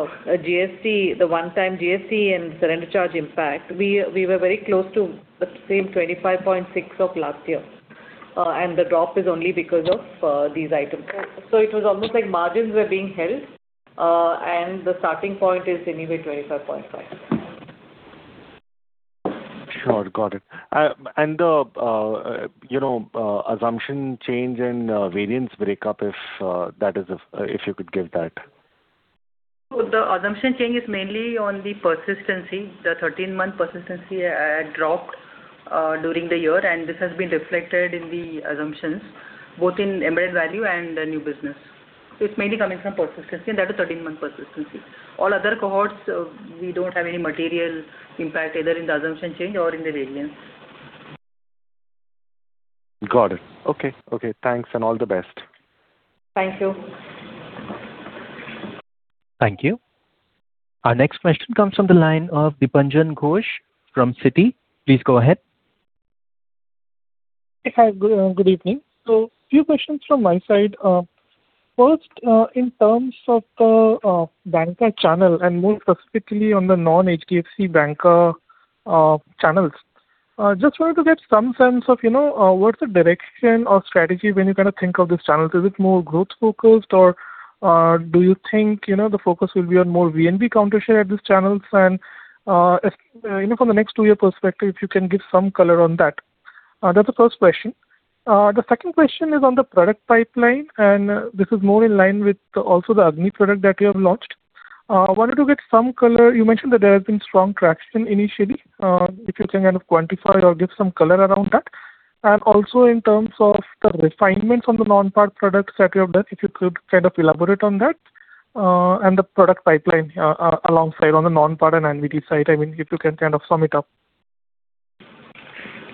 one-time GST and surrender charge impact, we were very close to the same 25.6% of last year. The drop is only because of these items. It was almost like margins were being held, and the starting point is anyway 25.5%. Sure. Got it. The assumption change and variance breakup, if you could give that. The assumption change is mainly on the persistency. The 13-month persistency had dropped during the year, and this has been reflected in the assumptions, both in embedded value and the new business. It's mainly coming from persistency, and that is 13-month persistency. All other cohorts, we don't have any material impact either in the assumption change or in the variance. Got it. Okay. Thanks, and all the best. Thank you. Thank you. Our next question comes from the line of Dipanjan Ghosh from Citi. Please go ahead. Hi, good evening. Few questions from my side. First, in terms of the banker channel and more specifically on the non-HDFC banker channels. Just wanted to get some sense of what's the direction or strategy when you think of these channels. Is it more growth-focused or do you think the focus will be on more VNB counter share at these channels? And from the next two-year perspective, if you can give some color on that. That's the first question. The second question is on the product pipeline, and this is more in line with also the AGNI product that you have launched. Wanted to get some color. You mentioned that there has been strong traction initially. If you can kind of quantify or give some color around that. Also in terms of the refinements on the non-par product set you have done, if you could elaborate on that, and the product pipeline alongside on the non-par and annuity side, if you can kind of sum it up.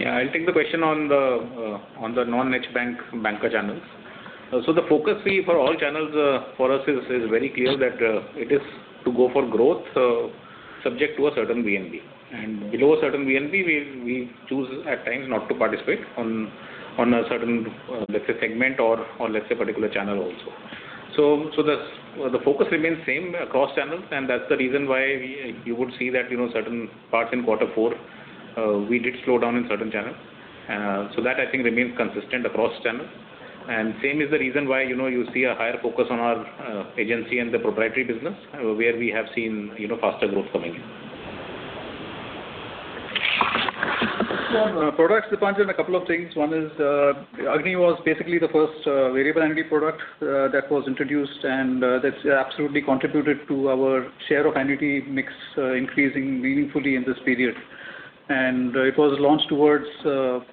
Yeah, I'll take the question on the non-HDFC Bank bancassurance channels. The focus for all channels for us is very clear that it is to go for growth, subject to a certain VNB. Below a certain VNB, we choose at times not to participate on a certain, let's say, segment or let's say particular channel also. The focus remains same across channels, and that's the reason why you would see that certain parts in quarter four, we did slow down in certain channels. That I think remains consistent across channels. Same is the reason why you see a higher focus on our agency and the proprietary business where we have seen faster growth coming in. On products, Dipanjan, a couple of things. One is AGNI was basically the first variable annuity product that was introduced, and that's absolutely contributed to our share of annuity mix increasing meaningfully in this period. It was launched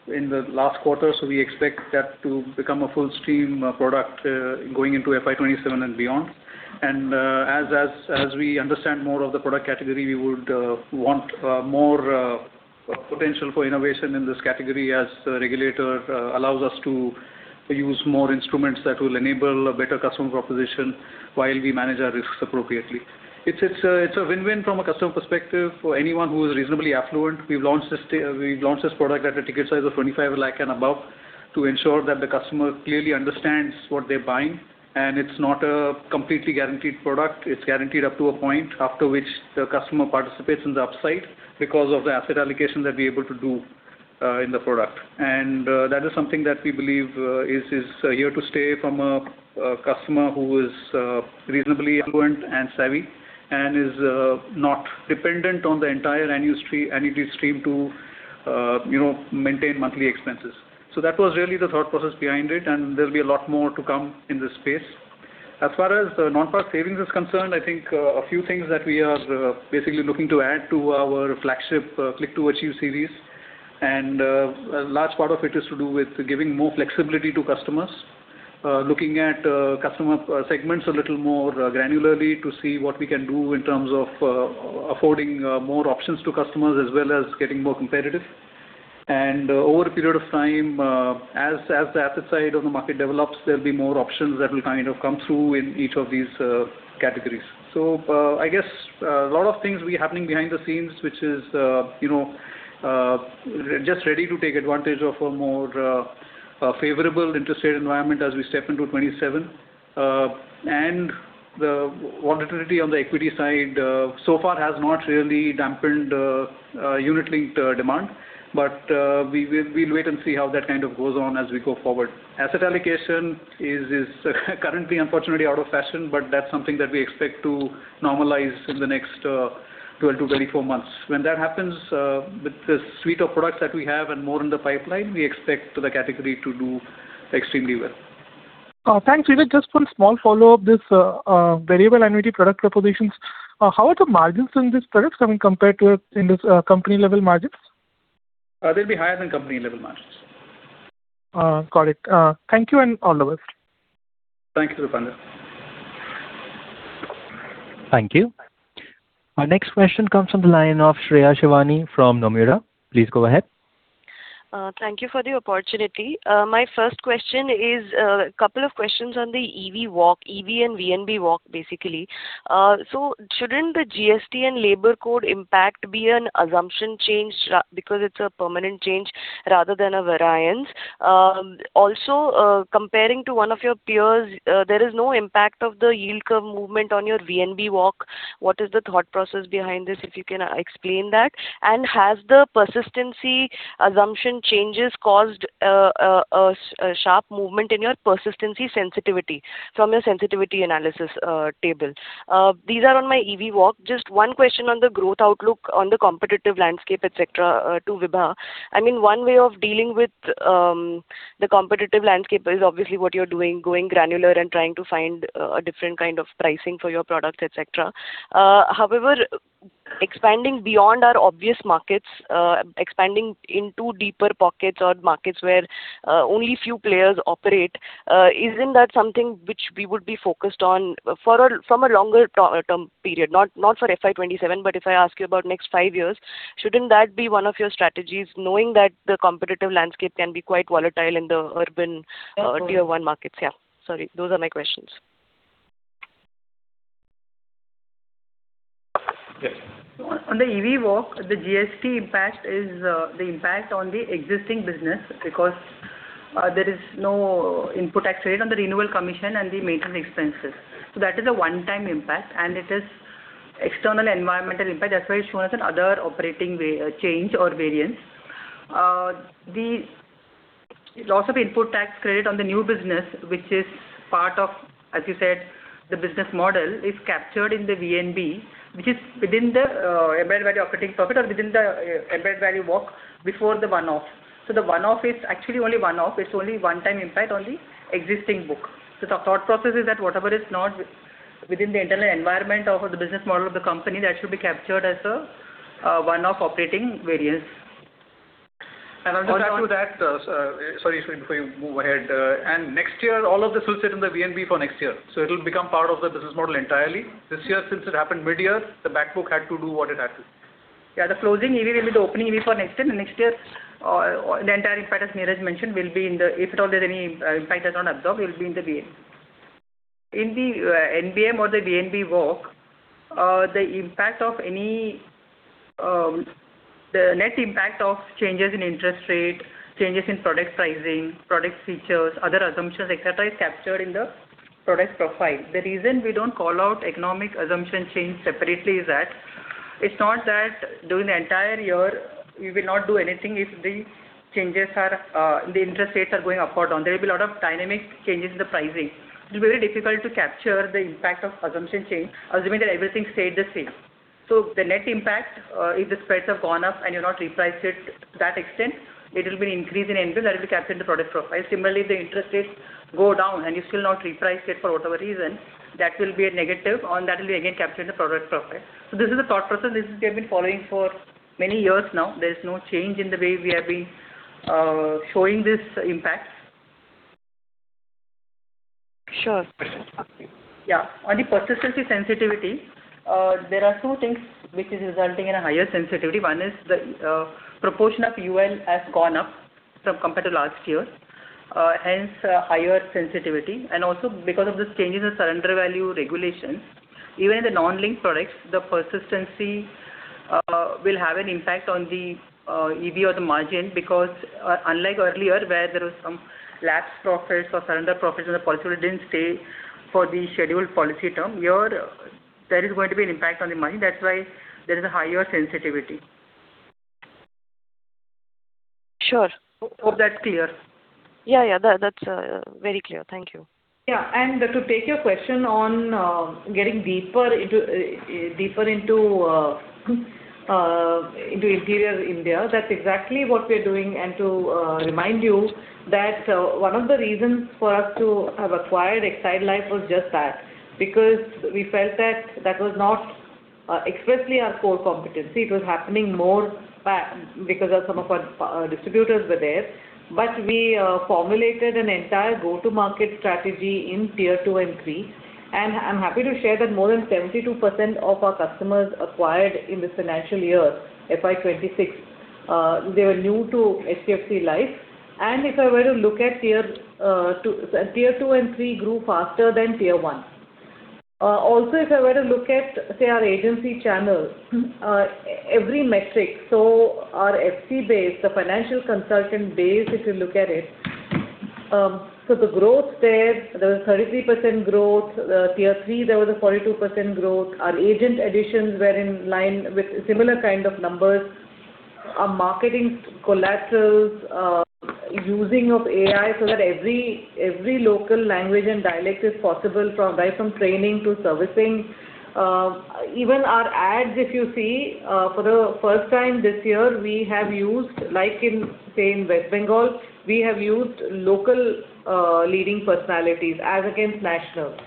in the last quarter, so we expect that to become a full stream product going into FY 2027 and beyond. As we understand more of the product category, we would want more potential for innovation in this category as the regulator allows us to use more instruments that will enable a better customer proposition while we manage our risks appropriately. It's a win-win from a customer perspective for anyone who is reasonably affluent. We've launched this product at a ticket size of 25 lakhs and above to ensure that the customer clearly understands what they're buying, and it's not a completely guaranteed product. It's guaranteed up to a point after which the customer participates in the upside because of the asset allocation that we're able to do in the product. That is something that we believe is here to stay from a customer who is reasonably affluent and savvy and is not dependent on the entire annuity stream to maintain monthly expenses. That was really the thought process behind it, and there'll be a lot more to come in this space. As far as the non-par savings is concerned, I think a few things that we are basically looking to add to our flagship Click 2 Achieve series, and a large part of it is to do with giving more flexibility to customers, looking at customer segments a little more granularly to see what we can do in terms of affording more options to customers as well as getting more competitive. Over a period of time, as the asset side of the market develops, there'll be more options that will come through in each of these categories. I guess a lot of things will be happening behind the scenes, which is just ready to take advantage of a more favorable interest rate environment as we step into 2027. The volatility on the equity side so far has not really dampened unit-linked demand. We'll wait and see how that kind of goes on as we go forward. Asset allocation is currently unfortunately out of fashion, but that's something that we expect to normalize in the next 12 months-24 months. When that happens, with the suite of products that we have and more in the pipeline, we expect the category to do extremely well. Thanks. Vineet, just one small follow-up this variable annuity product propositions. How are the margins in these products, I mean, compared to in this company level margins? They'll be higher than company level margins. Got it. Thank you and all the best. Thank you, Dipanjan. Thank you. Our next question comes from the line of Shreya Shivani from Nomura. Please go ahead. Thank you for the opportunity. My first question is a couple of questions on the EV walk, EV and VNB walk basically. Shouldn't the GST and labor code impact be an assumption change because it's a permanent change rather than a variance? Also, comparing to one of your peers, there is no impact of the yield curve movement on your VNB walk. What is the thought process behind this, if you can explain that? Has the persistency assumption changes caused a sharp movement in your persistency sensitivity from your sensitivity analysis table? These are on my EV walk. Just one question on the growth outlook on the competitive landscape, et cetera, to Vibha. I mean, one way of dealing with the competitive landscape is obviously what you're doing, going granular and trying to find a different kind of pricing for your products, et cetera. However, expanding beyond our obvious markets, expanding into deeper pockets or markets where only few players operate, isn't that something which we would be focused on from a longer term period? Not for FY 2027, but if I ask you about next five years, shouldn't that be one of your strategies, knowing that the competitive landscape can be quite volatile in the urban tier one markets? Yeah, sorry. Those are my questions. Yes. On the EV work, the GST impact is the impact on the existing business because there is no input tax rate on the renewal commission and the maintenance expenses. That is a one-time impact and it is external environmental impact. That's why it's shown as an other operating change or variance. The loss of input tax credit on the new business, which is part of, as you said, the business model, is captured in the VNB, which is within the embedded value operating profit or within the embedded value walk before the one-off. The one-off is actually only one-off. It's only one time impact on the existing book. The thought process is that whatever is not within the internal environment of the business model of the company, that should be captured as a one-off operating variance. I'll just add to that. Sorry, Eshwari, before you move ahead. Next year, all of this will sit in the VNB for next year, so it'll become part of the business model entirely. This year, since it happened mid-year, the back book had to do what it had to. Yeah. The closing EV will be the opening EV for next year. Next year, the entire impact, as Niraj mentioned, if at all there's any impact that's not absorbed, will be in the VNB. In the NBM or the VNB walk, the net impact of changes in interest rate, changes in product pricing, product features, other assumptions, et cetera, is captured in the product profile. The reason we don't call out economic assumption change separately is that it's not that during the entire year we will not do anything if the interest rates are going upward. There'll be a lot of dynamic changes in the pricing. It'll be very difficult to capture the impact of assumption change, assuming that everything stayed the same. The net impact, if the spreads have gone up and you've not repriced it to that extent, it will be an increase in NBM that will be captured in the product profile. Similarly, if the interest rates go down and you still not reprice it for whatever reason, that will be a negative and that will be again captured in the product profile. This is the thought process we have been following for many years now. There is no change in the way we have been showing this impact. Sure. Yeah. On the persistency sensitivity, there are two things which is resulting in a higher sensitivity. One is the proportion of UL has gone up compared to last year, hence higher sensitivity. Also because of this changes in surrender value regulations, even the non-linked products, the persistency will have an impact on the EV or the margin because unlike earlier, where there was some lapsed profits or surrender profits and the policyholder didn't stay for the scheduled policy term, here there is going to be an impact on the margin. That's why there is a higher sensitivity. Sure. Hope that's clear. Yeah. That's very clear. Thank you. Yeah. To take your question on getting deeper into interior India, that's exactly what we're doing. To remind you that one of the reasons for us to have acquired Exide Life was just that. Because we felt that that was not expressly our core competency. It was happening more because some of our distributors were there. We formulated an entire go-to-market strategy in tier two and three, and I'm happy to share that more than 72% of our customers acquired in this financial year, FY 2026, they were new to HDFC Life. If I were to look at tier two and three grew faster than Tier 1. Also, if I were to look at, say, our agency channels, every metric, so our FC base, the financial consultant base, if you look at it, so the growth there was 33% growth. Tier three, there was a 42% growth. Our agent additions were in line with similar kind of numbers. Our marketing collaterals using AI so that every local language and dialect is possible, right from training to servicing. Even our ads, if you see, for the first time this year, we have used, like say in West Bengal, we have used local leading personalities as against nationals.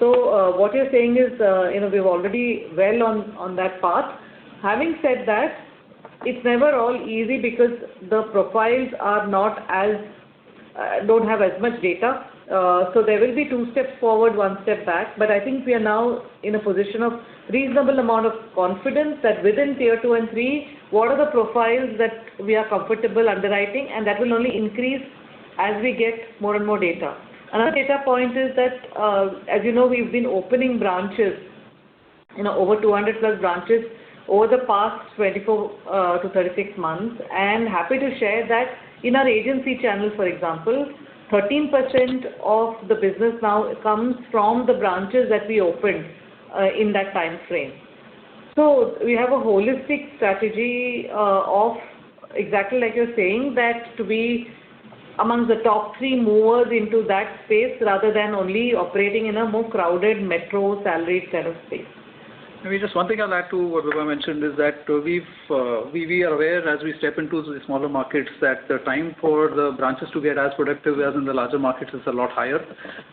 What you're saying is we're already well on that path. Having said that, it's never all easy because the profiles don't have as much data. There will be two steps forward, one step back. I think we are now in a position of reasonable amount of confidence that within Tier 2 and 3, what are the profiles that we are comfortable underwriting, and that will only increase as we get more and more data. Another data point is that as you know, we've been opening branches, over 200+ branches over the past 24 months-36 months. Happy to share that in our agency channel, for example, 13% of the business now comes from the branches that we opened in that time frame. We have a holistic strategy of exactly like you're saying, that to be among the top three movers into that space rather than only operating in a more crowded metro salaried set of space. Maybe just one thing I'll add to what Vibha mentioned is that we are aware as we step into smaller markets, that the time for the branches to get as productive as in the larger markets is a lot higher,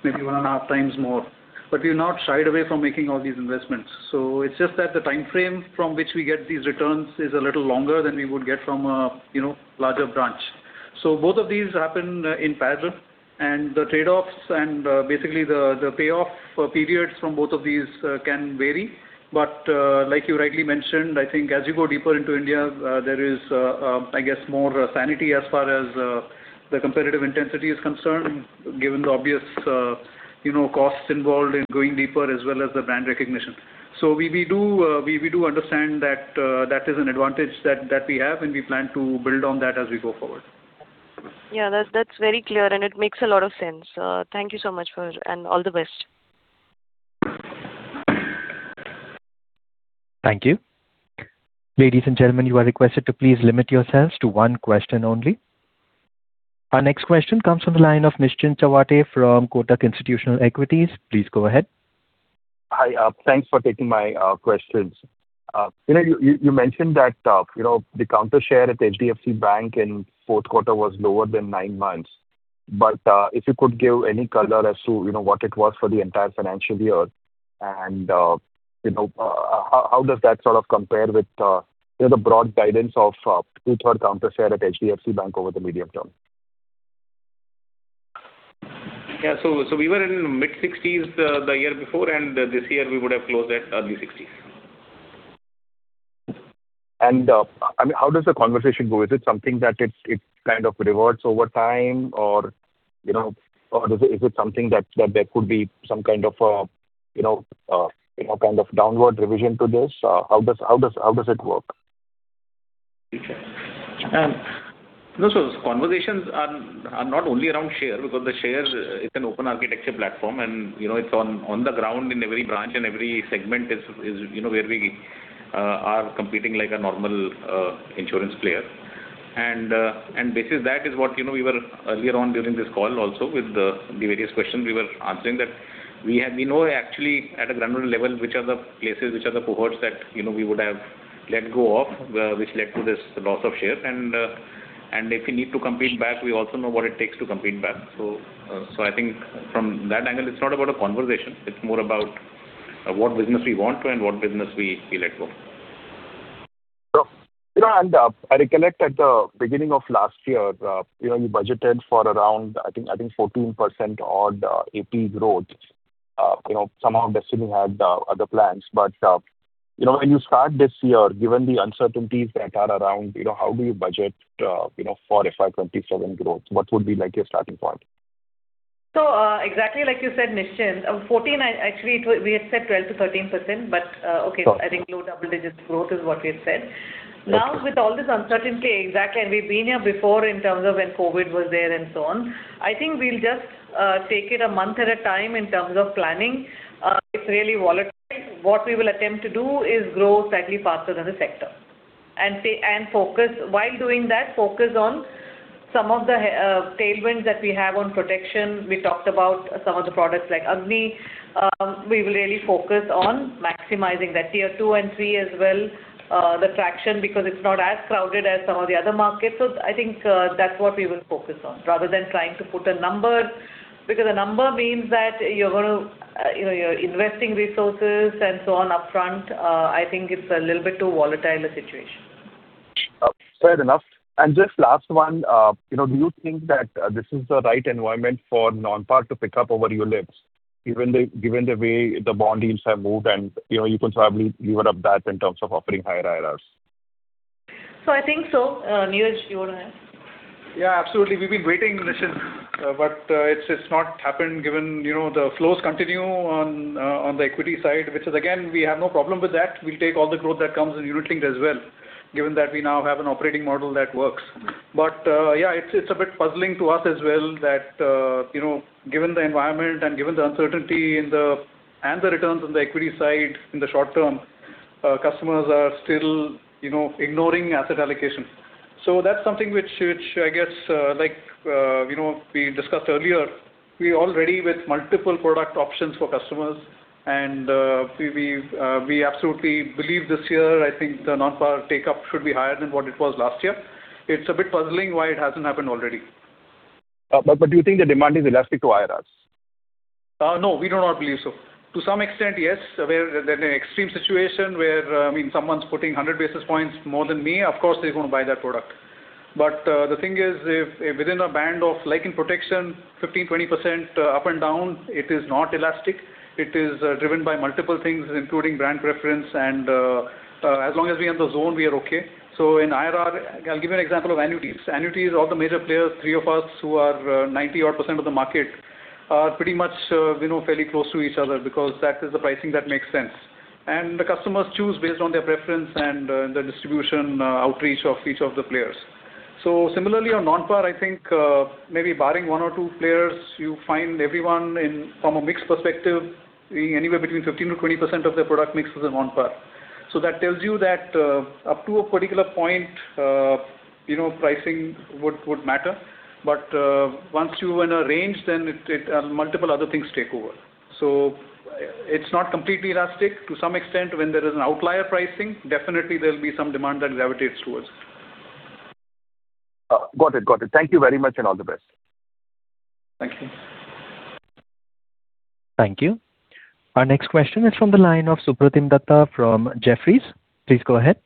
maybe one and a half times more, but we've not shied away from making all these investments. It's just that the time frame from which we get these returns is a little longer than we would get from a larger branch. Both of these happen in parallel, and the trade-offs and basically the payoff periods from both of these can vary. Like you rightly mentioned, I think as you go deeper into India, there is I guess more sanity as far as the competitive intensity is concerned, given the obvious costs involved in going deeper as well as the brand recognition. We do understand that is an advantage that we have, and we plan to build on that as we go forward. Yeah, that's very clear and it makes a lot of sense. Thank you so much for it, and all the best. Thank you. Ladies and gentlemen, you are requested to please limit yourselves to one question only. Our next question comes from the line of Nischint Chawathe from Kotak Institutional Equities. Please go ahead. Hi. Thanks for taking my questions. You mentioned that the counter share at HDFC Bank in the fourth quarter was lower than nine months, but if you could give any color as to what it was for the entire financial year, and how does that sort of compare with the broad guidance of two-thirds counter share at HDFC Bank over the medium term? Yeah. We were in mid-60s% the year before, and this year we would have closed at early 60s%. How does the conversation go? Is it something that it kind of rewards over time, or is it something that there could be some kind of downward revision to this? How does it work? Conversations are not only around share, because the share is an open architecture platform and it's on the ground in every branch and every segment is where we are competing like a normal insurance player. Basis that is what we were earlier on during this call also with the various questions we were answering, that we know actually at a granular level, which are the places, which are the cohorts that we would have let go of, which led to this loss of share and if we need to compete back, we also know what it takes to compete back. I think from that angle, it's not about a conversation, it's more about what business we want to and what business we let go. I recollect at the beginning of last year, you budgeted for around, I think, 14% odd AP growth. Somehow destiny had other plans. When you start this year, given the uncertainties that are around, how do you budget for FY 2027 growth? What would be your starting point? Exactly like you said, Nischint, 14%, actually, we had said 12%-13%, but okay, I think low double digits growth is what we had said. Now with all this uncertainty, exactly, and we've been here before in terms of when COVID-19 was there and so on. I think we'll just take it a month at a time in terms of planning. It's really volatile. What we will attempt to do is grow slightly faster than the sector. While doing that, focus on some of the tailwinds that we have on protection. We talked about some of the products like AGNI. We will really focus on maximizing that Tier 2 and 3 as well, the traction, because it's not as crowded as some of the other markets. I think that's what we will focus on rather than trying to put a number, because a number means that you're investing resources and so on upfront. I think it's a little bit too volatile a situation. Fair enough. Just last one. Do you think that this is the right environment for non-par to pick up over ULIPs, given the way the bond yields have moved and you can probably lever up that in terms of offering higher IRRs? I think so. Niraj, do you want to add? Yeah, absolutely. We've been waiting, Nischint, but it's not happened given the flows continue on the equity side, which is, again, we have no problem with that. We'll take all the growth that comes in Unit Linked as well, given that we now have an operating model that works. Yeah, it's a bit puzzling to us as well that, given the environment and given the uncertainty and the returns on the equity side in the short term, customers are still ignoring asset allocation. That's something which I guess, like we discussed earlier, we are all ready with multiple product options for customers, and we absolutely believe this year, I think the non-par take up should be higher than what it was last year. It's a bit puzzling why it hasn't happened already. Do you think the demand is elastic to IRRs? No, we do not believe so. To some extent, yes, where in an extreme situation where someone's putting 100 basis points more than me, of course, they're going to buy that product. The thing is, if within a band of like in protection 15%-20% up and down, it is not elastic. It is driven by multiple things, including brand preference and as long as we have the zone, we are okay. In IRR, I'll give you an example of annuities. Annuities, all the major players, three of us who are 90-odd% of the market are pretty much fairly close to each other because that is the pricing that makes sense. The customers choose based on their preference and the distribution outreach of each of the players. Similarly on non-par, I think maybe barring one or two players, you find everyone from a mix perspective being anywhere between 15%-20% of their product mix is in non-par. That tells you that up to a particular point, pricing would matter. Once you're in a range, then multiple other things take over. It's not completely elastic. To some extent, when there is an outlier pricing, definitely there'll be some demand that gravitates towards. Got it. Thank you very much, and all the best. Thank you. Thank you. Our next question is from the line of Supratim Datta from Jefferies. Please go ahead.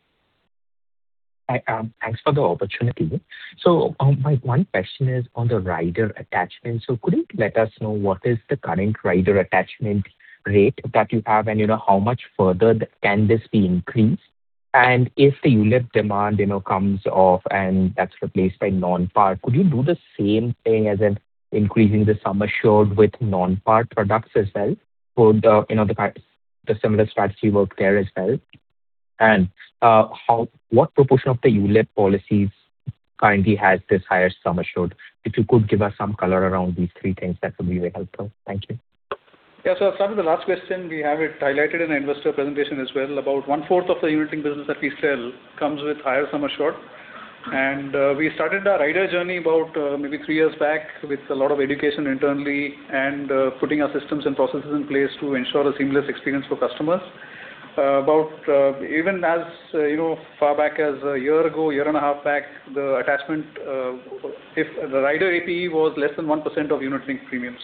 Thanks for the opportunity. My one question is on the rider attachment. Could you let us know what is the current rider attachment rate that you have and how much further can this be increased? If the ULIP demand comes off and that's replaced by non-par, could you do the same thing as in increasing the sum assured with non-par products as well? Would the similar strategy work there as well? What proportion of the ULIP policies currently has this higher sum assured? If you could give us some color around these three things, that would be very helpful. Thank you. Yeah. As far as the last question, we have it highlighted in investor presentation as well. About 1/4 of the unit link business that we sell comes with higher sum assured. We started our rider journey about maybe three years back with a lot of education internally and putting our systems and processes in place to ensure a seamless experience for customers. Even as far back as one year ago, 1.5 years back, the rider APE was less than 1% of unit link premiums.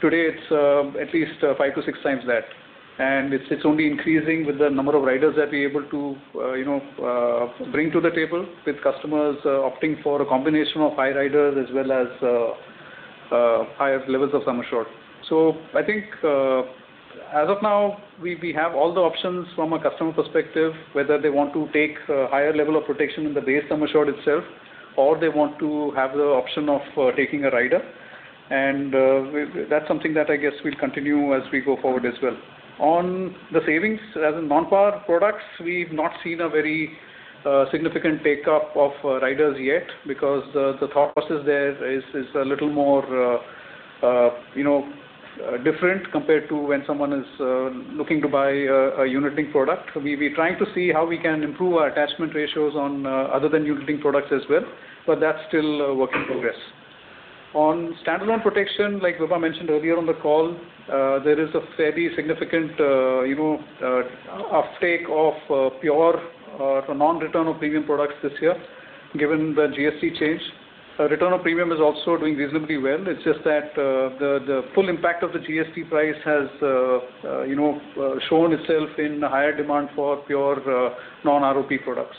Today, it's at least 5x- 6x that, and it's only increasing with the number of riders that we're able to bring to the table with customers opting for a combination of high riders as well as higher levels of sum assured. I think as of now we have all the options from a customer perspective, whether they want to take a higher level of protection in the base sum assured itself, or they want to have the option of taking a rider. That's something that I guess we'll continue as we go forward as well. On the savings, as in non-par products, we've not seen a very significant take-up of riders yet because the thought process there is a little more different compared to when someone is looking to buy a unit linked product. We're trying to see how we can improve our attachment ratios on other than unit linked products as well, but that's still a work in progress. On standalone protection, like Vibha mentioned earlier on the call, there is a fairly significant off-take of pure non-return of premium products this year, given the GST change. Return of premium is also doing reasonably well. It's just that the full impact of the GST price has shown itself in higher demand for pure non-ROP products.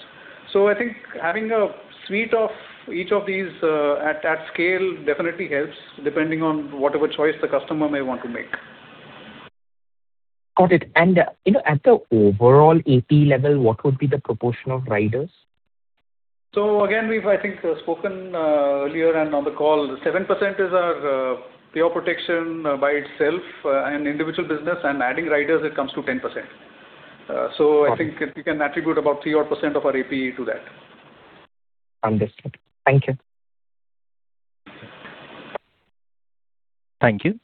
I think having a suite of each of these at that scale definitely helps, depending on whatever choice the customer may want to make. Got it. At the overall APE level, what would be the proportion of riders? Again, we've, I think, spoken earlier and on the call, 7% is our pure protection by itself and individual business. Adding riders, it comes to 10%. I think we can attribute about 3% of our APE to that. Understood. Thank you. Thank you.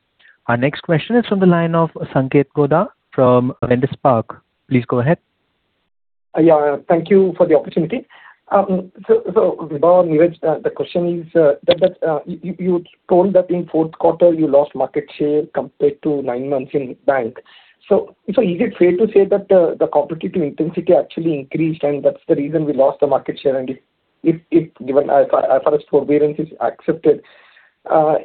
Our next question is from the line of Sanketh Godha from Avendus Spark. Please go ahead. Yeah. Thank you for the opportunity. Vibha, Niraj, the question is that you told that in fourth quarter you lost market share compared to nine months in bancassurance. Is it fair to say that the competitive intensity actually increased, and that's the reason we lost the market share? If given as far as forbearance is accepted, are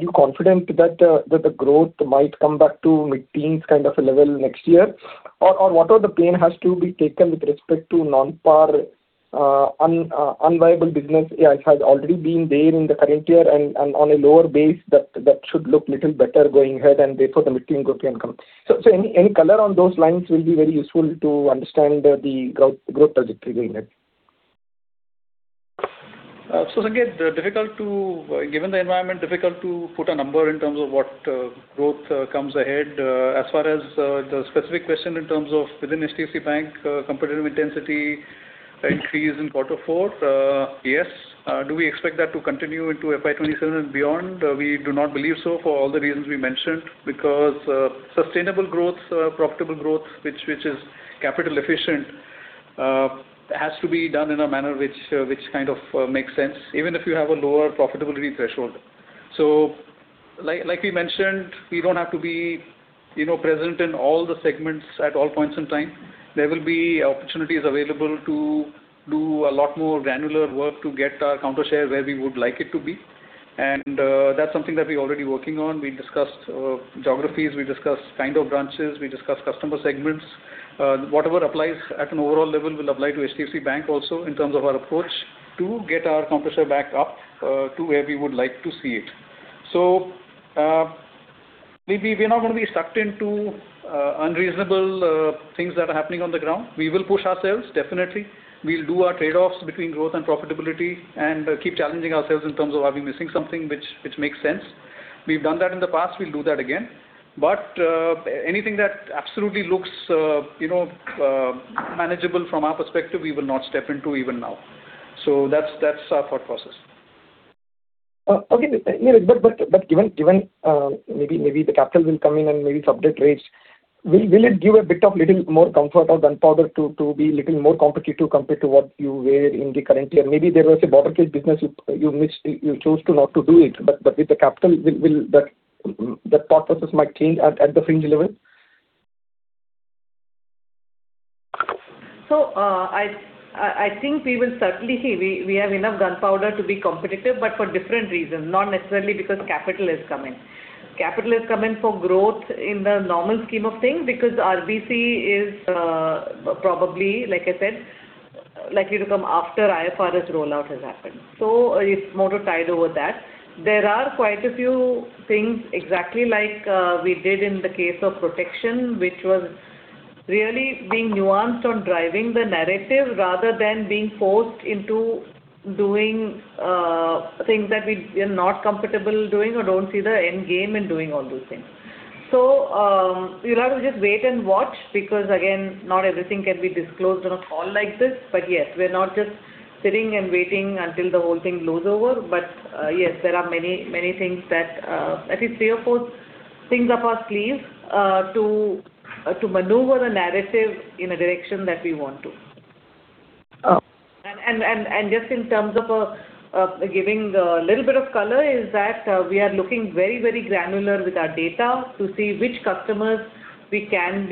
you confident that the growth might come back to mid-teens kind of a level next year? What are the pains that have to be taken with respect to non-par, unviable business? It has already been there in the current year and on a lower base that should look a little better going ahead, and therefore the mid-teen growth can come. Any color on those lines will be very useful to understand the growth trajectory going ahead. Sanket, given the environment, difficult to put a number in terms of what growth comes ahead. As far as the specific question in terms of within HDFC Bank competitive intensity increase in quarter four, yes. Do we expect that to continue into FY 2027 and beyond? We do not believe so for all the reasons we mentioned, because sustainable growth, profitable growth, which is capital efficient, has to be done in a manner which kind of makes sense, even if you have a lower profitability threshold. Like we mentioned, we don't have to be present in all the segments at all points in time. There will be opportunities available to do a lot more granular work to get our market share where we would like it to be. That's something that we're already working on. We discussed geographies, we discussed kind of branches, we discussed customer segments. Whatever applies at an overall level will apply to HDFC Bank also in terms of our approach to get our compressor back up to where we would like to see it. We're not going to be sucked into unreasonable things that are happening on the ground. We will push ourselves, definitely. We'll do our trade-offs between growth and profitability and keep challenging ourselves in terms of are we missing something which makes sense. We've done that in the past. We'll do that again. Anything that absolutely looks unmanageable from our perspective, we will not step into even now. That's our thought process. Okay. Given maybe the capital will come in and maybe subject rates, will it give a bit of little more comfort or gunpowder to be little more competitive compared to what you were in the current year? Maybe there was a borderline business you chose not to do it, but with the capital, that thought process might change at the fringe level. I think we will certainly see we have enough gunpowder to be competitive, but for different reasons, not necessarily because capital is coming. Capital is coming for growth in the normal scheme of things because RBC is probably, like I said Likely to come after IFRS rollout has happened. It's more tied to that. There are quite a few things, exactly like we did in the case of protection, which was really being nuanced on driving the narrative rather than being forced into doing things that we are not comfortable doing or don't see the end game in doing all those things. You'll have to just wait and watch, because again, not everything can be disclosed on a call like this. Yes, we're not just sitting and waiting until the whole thing blows over. Yes, there are three or four things up our sleeve to maneuver the narrative in a direction that we want to. Just in terms of giving a little bit of color is that we are looking very, very granular with our data to see which customers we can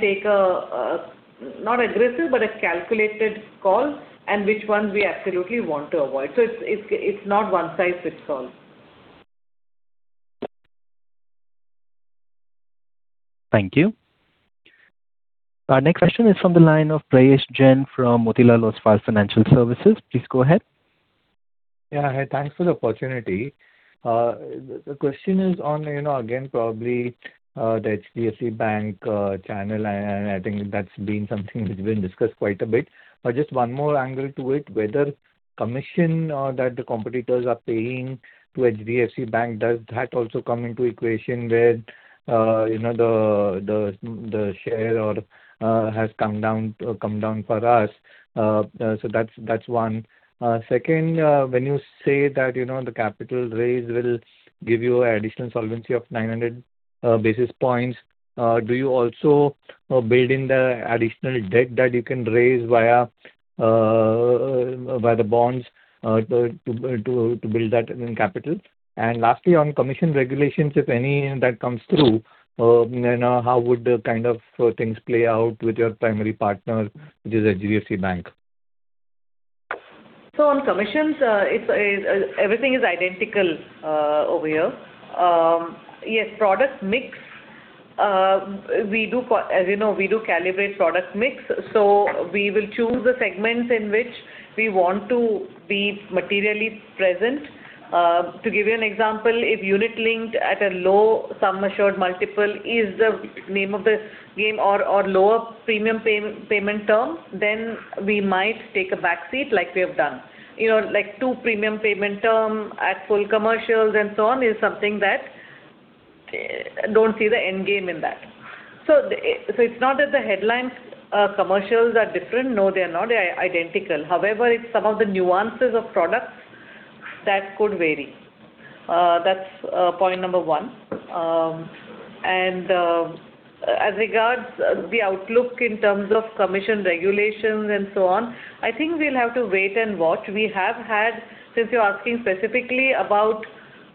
take a, not aggressive, but a calculated call and which ones we absolutely want to avoid. It's not one-size-fits-all. Thank you. Our next question is from the line of Prayesh Jain from Motilal Oswal Financial Services. Please go ahead. Yeah. Hi. Thanks for the opportunity. The question is on, again, probably the HDFC Bank channel, and I think that's been something which been discussed quite a bit. Just one more angle to it, whether commission that the competitors are paying to HDFC Bank, does that also come into equation where the share has come down for us? That's one. Second, when you say that the capital raise will give you additional solvency of 900 basis points, do you also build in the additional debt that you can raise via the bonds to build that in capital? Lastly, on commission regulations, if any, that comes through, how would the kind of things play out with your primary partner, which is HDFC Bank? On commissions, everything is identical over here. Yes, product mix, as you know, we do calibrate product mix, so we will choose the segments in which we want to be materially present. To give you an example, if Unit Linked at a low sum assured multiple is the name of the game or lower premium payment term, then we might take a back seat like we have done. Like two premium payment term at full commercials and so on is something that, don't see the end game in that. It's not that the headlines commercials are different. No, they're not. They're identical. However, it's some of the nuances of products that could vary. That's point number one. As regards the outlook in terms of commission regulations and so on, I think we'll have to wait and watch. Since you're asking specifically about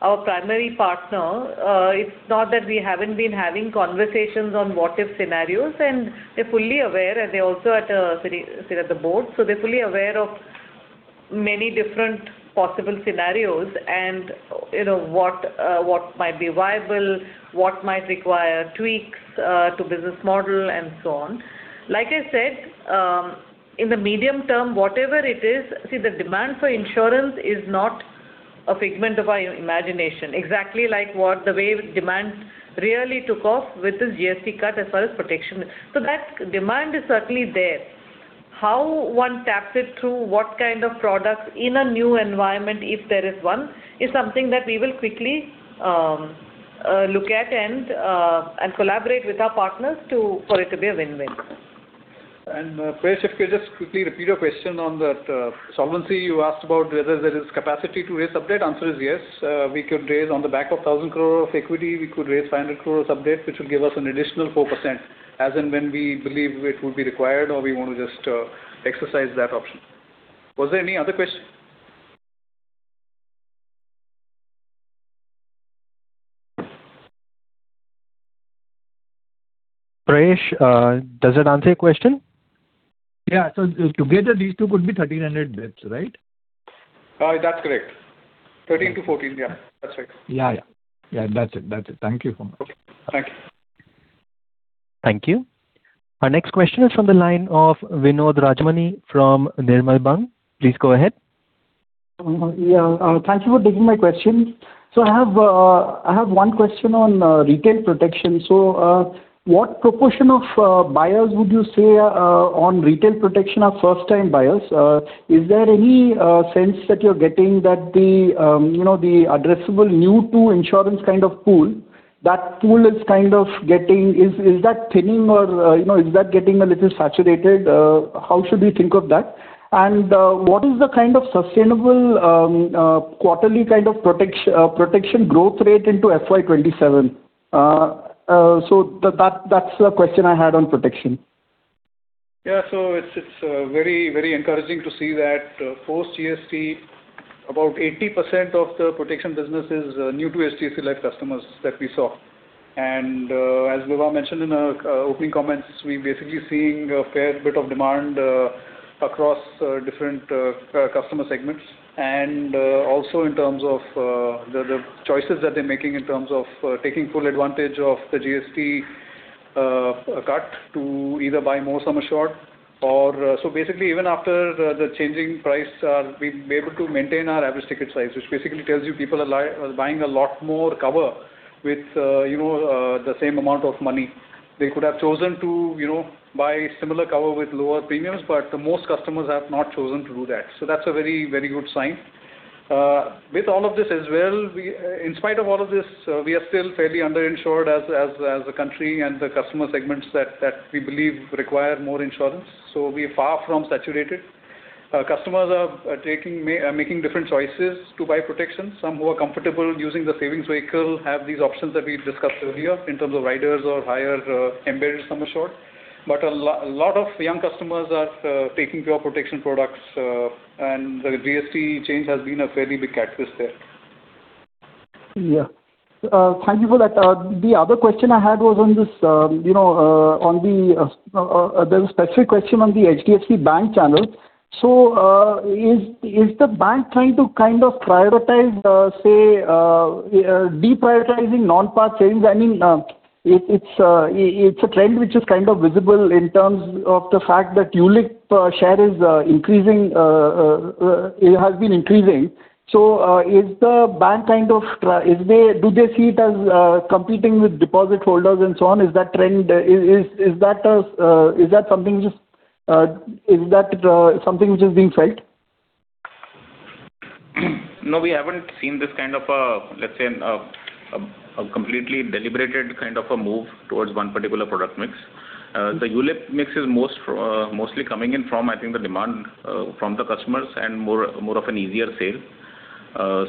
our primary partner, it's not that we haven't been having conversations on what if scenarios, and they're fully aware and they also sit at the board, so they're fully aware of many different possible scenarios and what might be viable, what might require tweaks to business model and so on. Like I said, in the medium term, whatever it is, see, the demand for insurance is not a figment of our imagination. Exactly like the way demand really took off with the GST cut as well as protection. That demand is certainly there. How one taps it through what kind of products in a new environment, if there is one, is something that we will quickly look at and collaborate with our partners for it to be a win-win. Prayesh, if you'll just quickly repeat your question on that solvency you asked about whether there is capacity to raise sub-debt. Answer is yes. We could raise on the back of 1,000 crore of equity, we could raise 500 crore sub-debt, which will give us an additional 4% as and when we believe it would be required or we want to just exercise that option. Was there any other question? Prayesh, does that answer your question? Yeah. Together these two could be 1,300 basis, right? That's correct. 13-14. Yeah. That's right. Yeah. That's it. Thank you so much. Okay. Thank you. Thank you. Our next question is from the line of Vinod Rajamani from Nirmal Bang. Please go ahead. Yeah. Thank you for taking my question. I have one question on retail protection. What proportion of buyers would you say on retail protection are first time buyers? Is there any sense that you're getting that the addressable new to insurance kind of pool, that pool is kind of getting, is that thinning or is that getting a little saturated? How should we think of that? What is the kind of sustainable quarterly kind of protection growth rate into FY 2027? That's the question I had on protection. Yeah. It's very encouraging to see that post GST, about 80% of the protection business is new to HDFC Life customers that we saw. As Vibha mentioned in her opening comments, we're basically seeing a fair bit of demand across different customer segments and also in terms of the choices that they're making in terms of taking full advantage of the GST cut to either buy more sum assured. Basically even after the changing price, we've been able to maintain our average ticket size, which basically tells you people are buying a lot more cover with the same amount of money. They could have chosen to buy similar cover with lower premiums, but most customers have not chosen to do that. That's a very good sign. With all of this as well, in spite of all of this, we are still fairly under-insured as a country and the customer segments that we believe require more insurance. We're far from saturated. Customers are making different choices to buy protection. Some who are comfortable using the savings vehicle have these options that we've discussed earlier in terms of riders or higher embedded sum assured. A lot of young customers are taking pure protection products, and the GST change has been a fairly big catalyst there. Yeah. Thank you for that. The other question I had was, there was a specific question on the HDFC Bank channel. Is the bank trying to prioritize, say, deprioritizing non-part sales? I mean, it's a trend which is visible in terms of the fact that ULIP share has been increasing. Do they see it as competing with deposit holders and so on? Is that something which is being felt? No, we haven't seen this kind of a, let's say, a completely deliberated move towards one particular product mix. The ULIP mix is mostly coming in from, I think, the demand from the customers and more of an easier sale.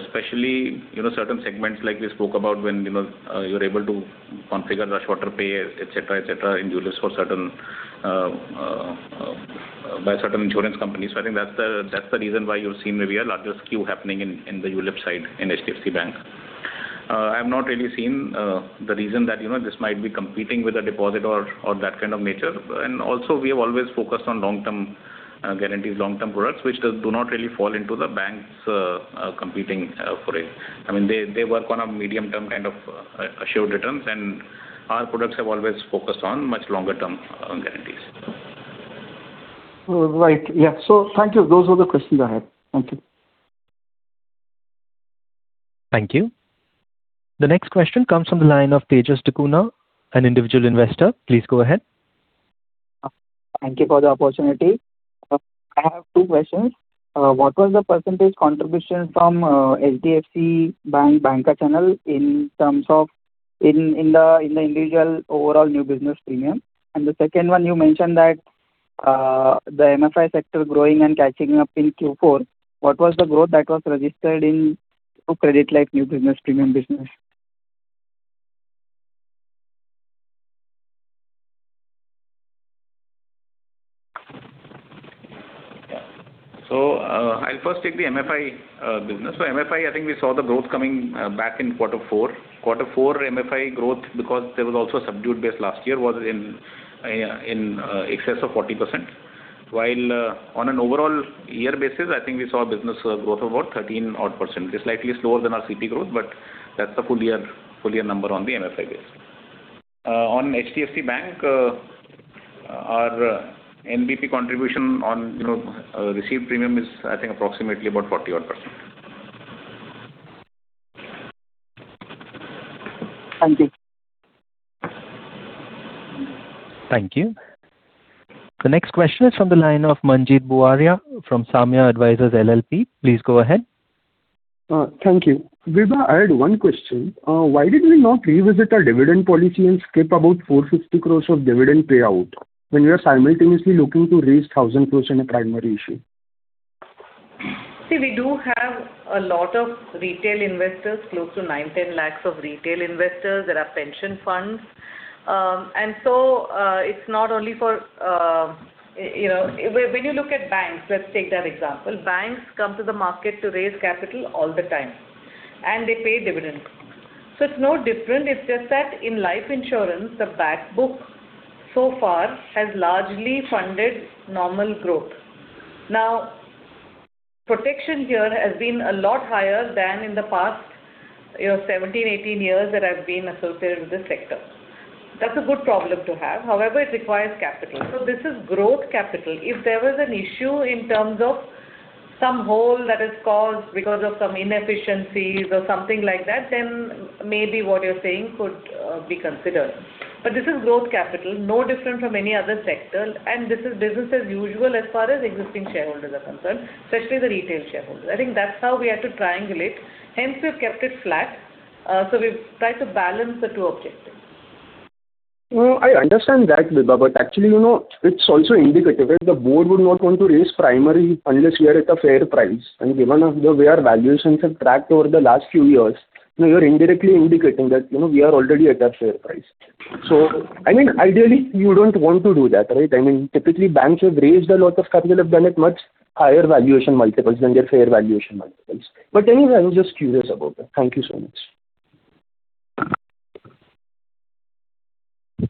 Especially, certain segments like we spoke about when you're able to configure the shorter pay, et cetera, in ULIPs by certain insurance companies. I think that's the reason why you're seeing maybe a larger skew happening in the ULIP side in HDFC Bank. I have not really seen the reason that this might be competing with a deposit or that kind of nature. We have always focused on guarantees long-term products, which do not really fall into the bank's competing for it. I mean, they work on a medium-term kind of assured returns, and our products have always focused on much longer-term guarantees. Right. Yeah. Thank you. Those were the questions I had. Thank you. Thank you. The next question comes from the line of Tejas Tikuna, an individual investor. Please go ahead. Thank you for the opportunity. I have two questions. What was the percentage contribution from HDFC Bank bancassurance channel in terms of the individual overall new business premium? The second one, you mentioned that the MFI sector growing and catching up in Q4. What was the growth that was registered in credit life new business premium business? I'll first take the MFI business. MFI, I think we saw the growth coming back in quarter four. Quarter four MFI growth, because there was also a subdued base last year, was in excess of 40%. While on an overall year basis, I think we saw business growth of about 13 odd %, which is slightly slower than our CP growth, but that's the full year number on the MFI base. On HDFC Bank, our NBP contribution on received premium is, I think, approximately about 40 odd %. Thank you. Thank you. The next question is from the line of Manjeet Buaria from Saamya Advisors LLP. Please go ahead. Thank you. Vibha, I had one question. Why did we not revisit our dividend policy and skip about 450 crore of dividend payout when we are simultaneously looking to raise 1,000 crore in a primary issue? See, we do have a lot of retail investors, close to 9 lakhs-10 lakhs of retail investors. There are pension funds. It's not only for when you look at banks, let's take that example. Banks come to the market to raise capital all the time, and they pay dividends. It's no different. It's just that in life insurance, the back book so far has largely funded normal growth. Now, protection here has been a lot higher than in the past 17 years-18 years that I've been associated with this sector. That's a good problem to have. However, it requires capital. This is growth capital. If there was an issue in terms of some hole that is caused because of some inefficiencies or something like that, then maybe what you're saying could be considered. This is growth capital, no different from any other sector, and this is business as usual as far as existing shareholders are concerned, especially the retail shareholders. I think that's how we had to triangle it. Hence, we've kept it flat. We've tried to balance the two objectives. I understand that, Vibha, but actually, it's also indicative. The board would not want to raise primary unless we are at a fair price. Given the way our valuations have tracked over the last few years, you're indirectly indicating that we are already at a fair price. I mean, ideally, you don't want to do that, right? I mean, typically, banks who have raised a lot of capital have done it much higher valuation multiples than their fair valuation multiples. Anyway, I was just curious about that. Thank you so much.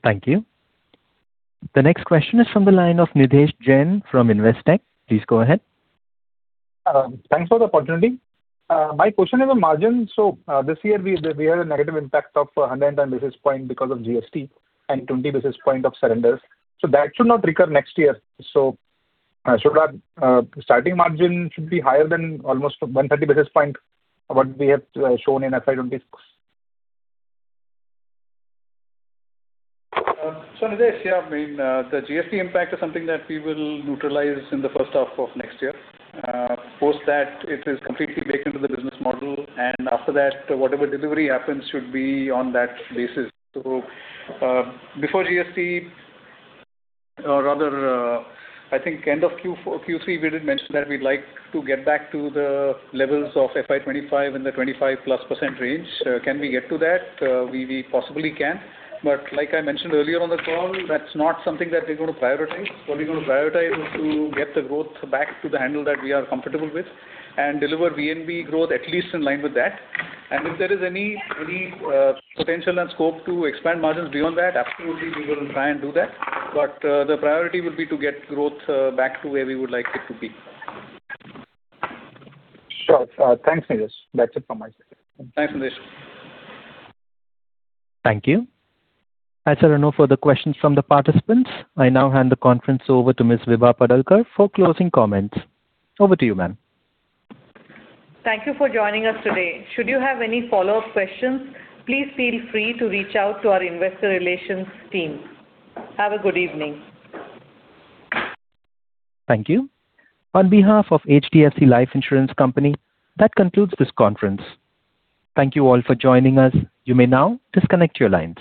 Thank you. The next question is from the line of Nidhesh Jain from Investec. Please go ahead. Thanks for the opportunity. My question is on margin. This year we had a negative impact of 110 basis points because of GST and 20 basis points of surrenders. That should not recur next year. Should our starting margin be higher than almost 130 basis points, what we have shown in FY 2026? Nidhesh, yeah, the GST impact is something that we will neutralize in the first half of next year. Post that, it is completely baked into the business model, and after that, whatever delivery happens should be on that basis. Before GST, or rather, I think end of Q3, we did mention that we'd like to get back to the levels of FY 2025 and the 25%+ range. Can we get to that? We possibly can. Like I mentioned earlier on the call, that's not something that we're going to prioritize. What we're going to prioritize is to get the growth back to the handle that we are comfortable with and deliver VNB growth at least in line with that. If there is any potential and scope to expand margins beyond that, absolutely, we will try and do that. The priority will be to get growth back to where we would like it to be. Sure. Thanks, Nidhesh. That's it from my side. Thanks, Nidhesh. Thank you. As there are no further questions from the participants, I now hand the conference over to Ms. Vibha Padalkar for closing comments. Over to you, ma'am. Thank you for joining us today. Should you have any follow-up questions, please feel free to reach out to our investor relations team. Have a good evening. Thank you. On behalf of HDFC Life Insurance Company, that concludes this conference. Thank you all for joining us. You may now disconnect your lines.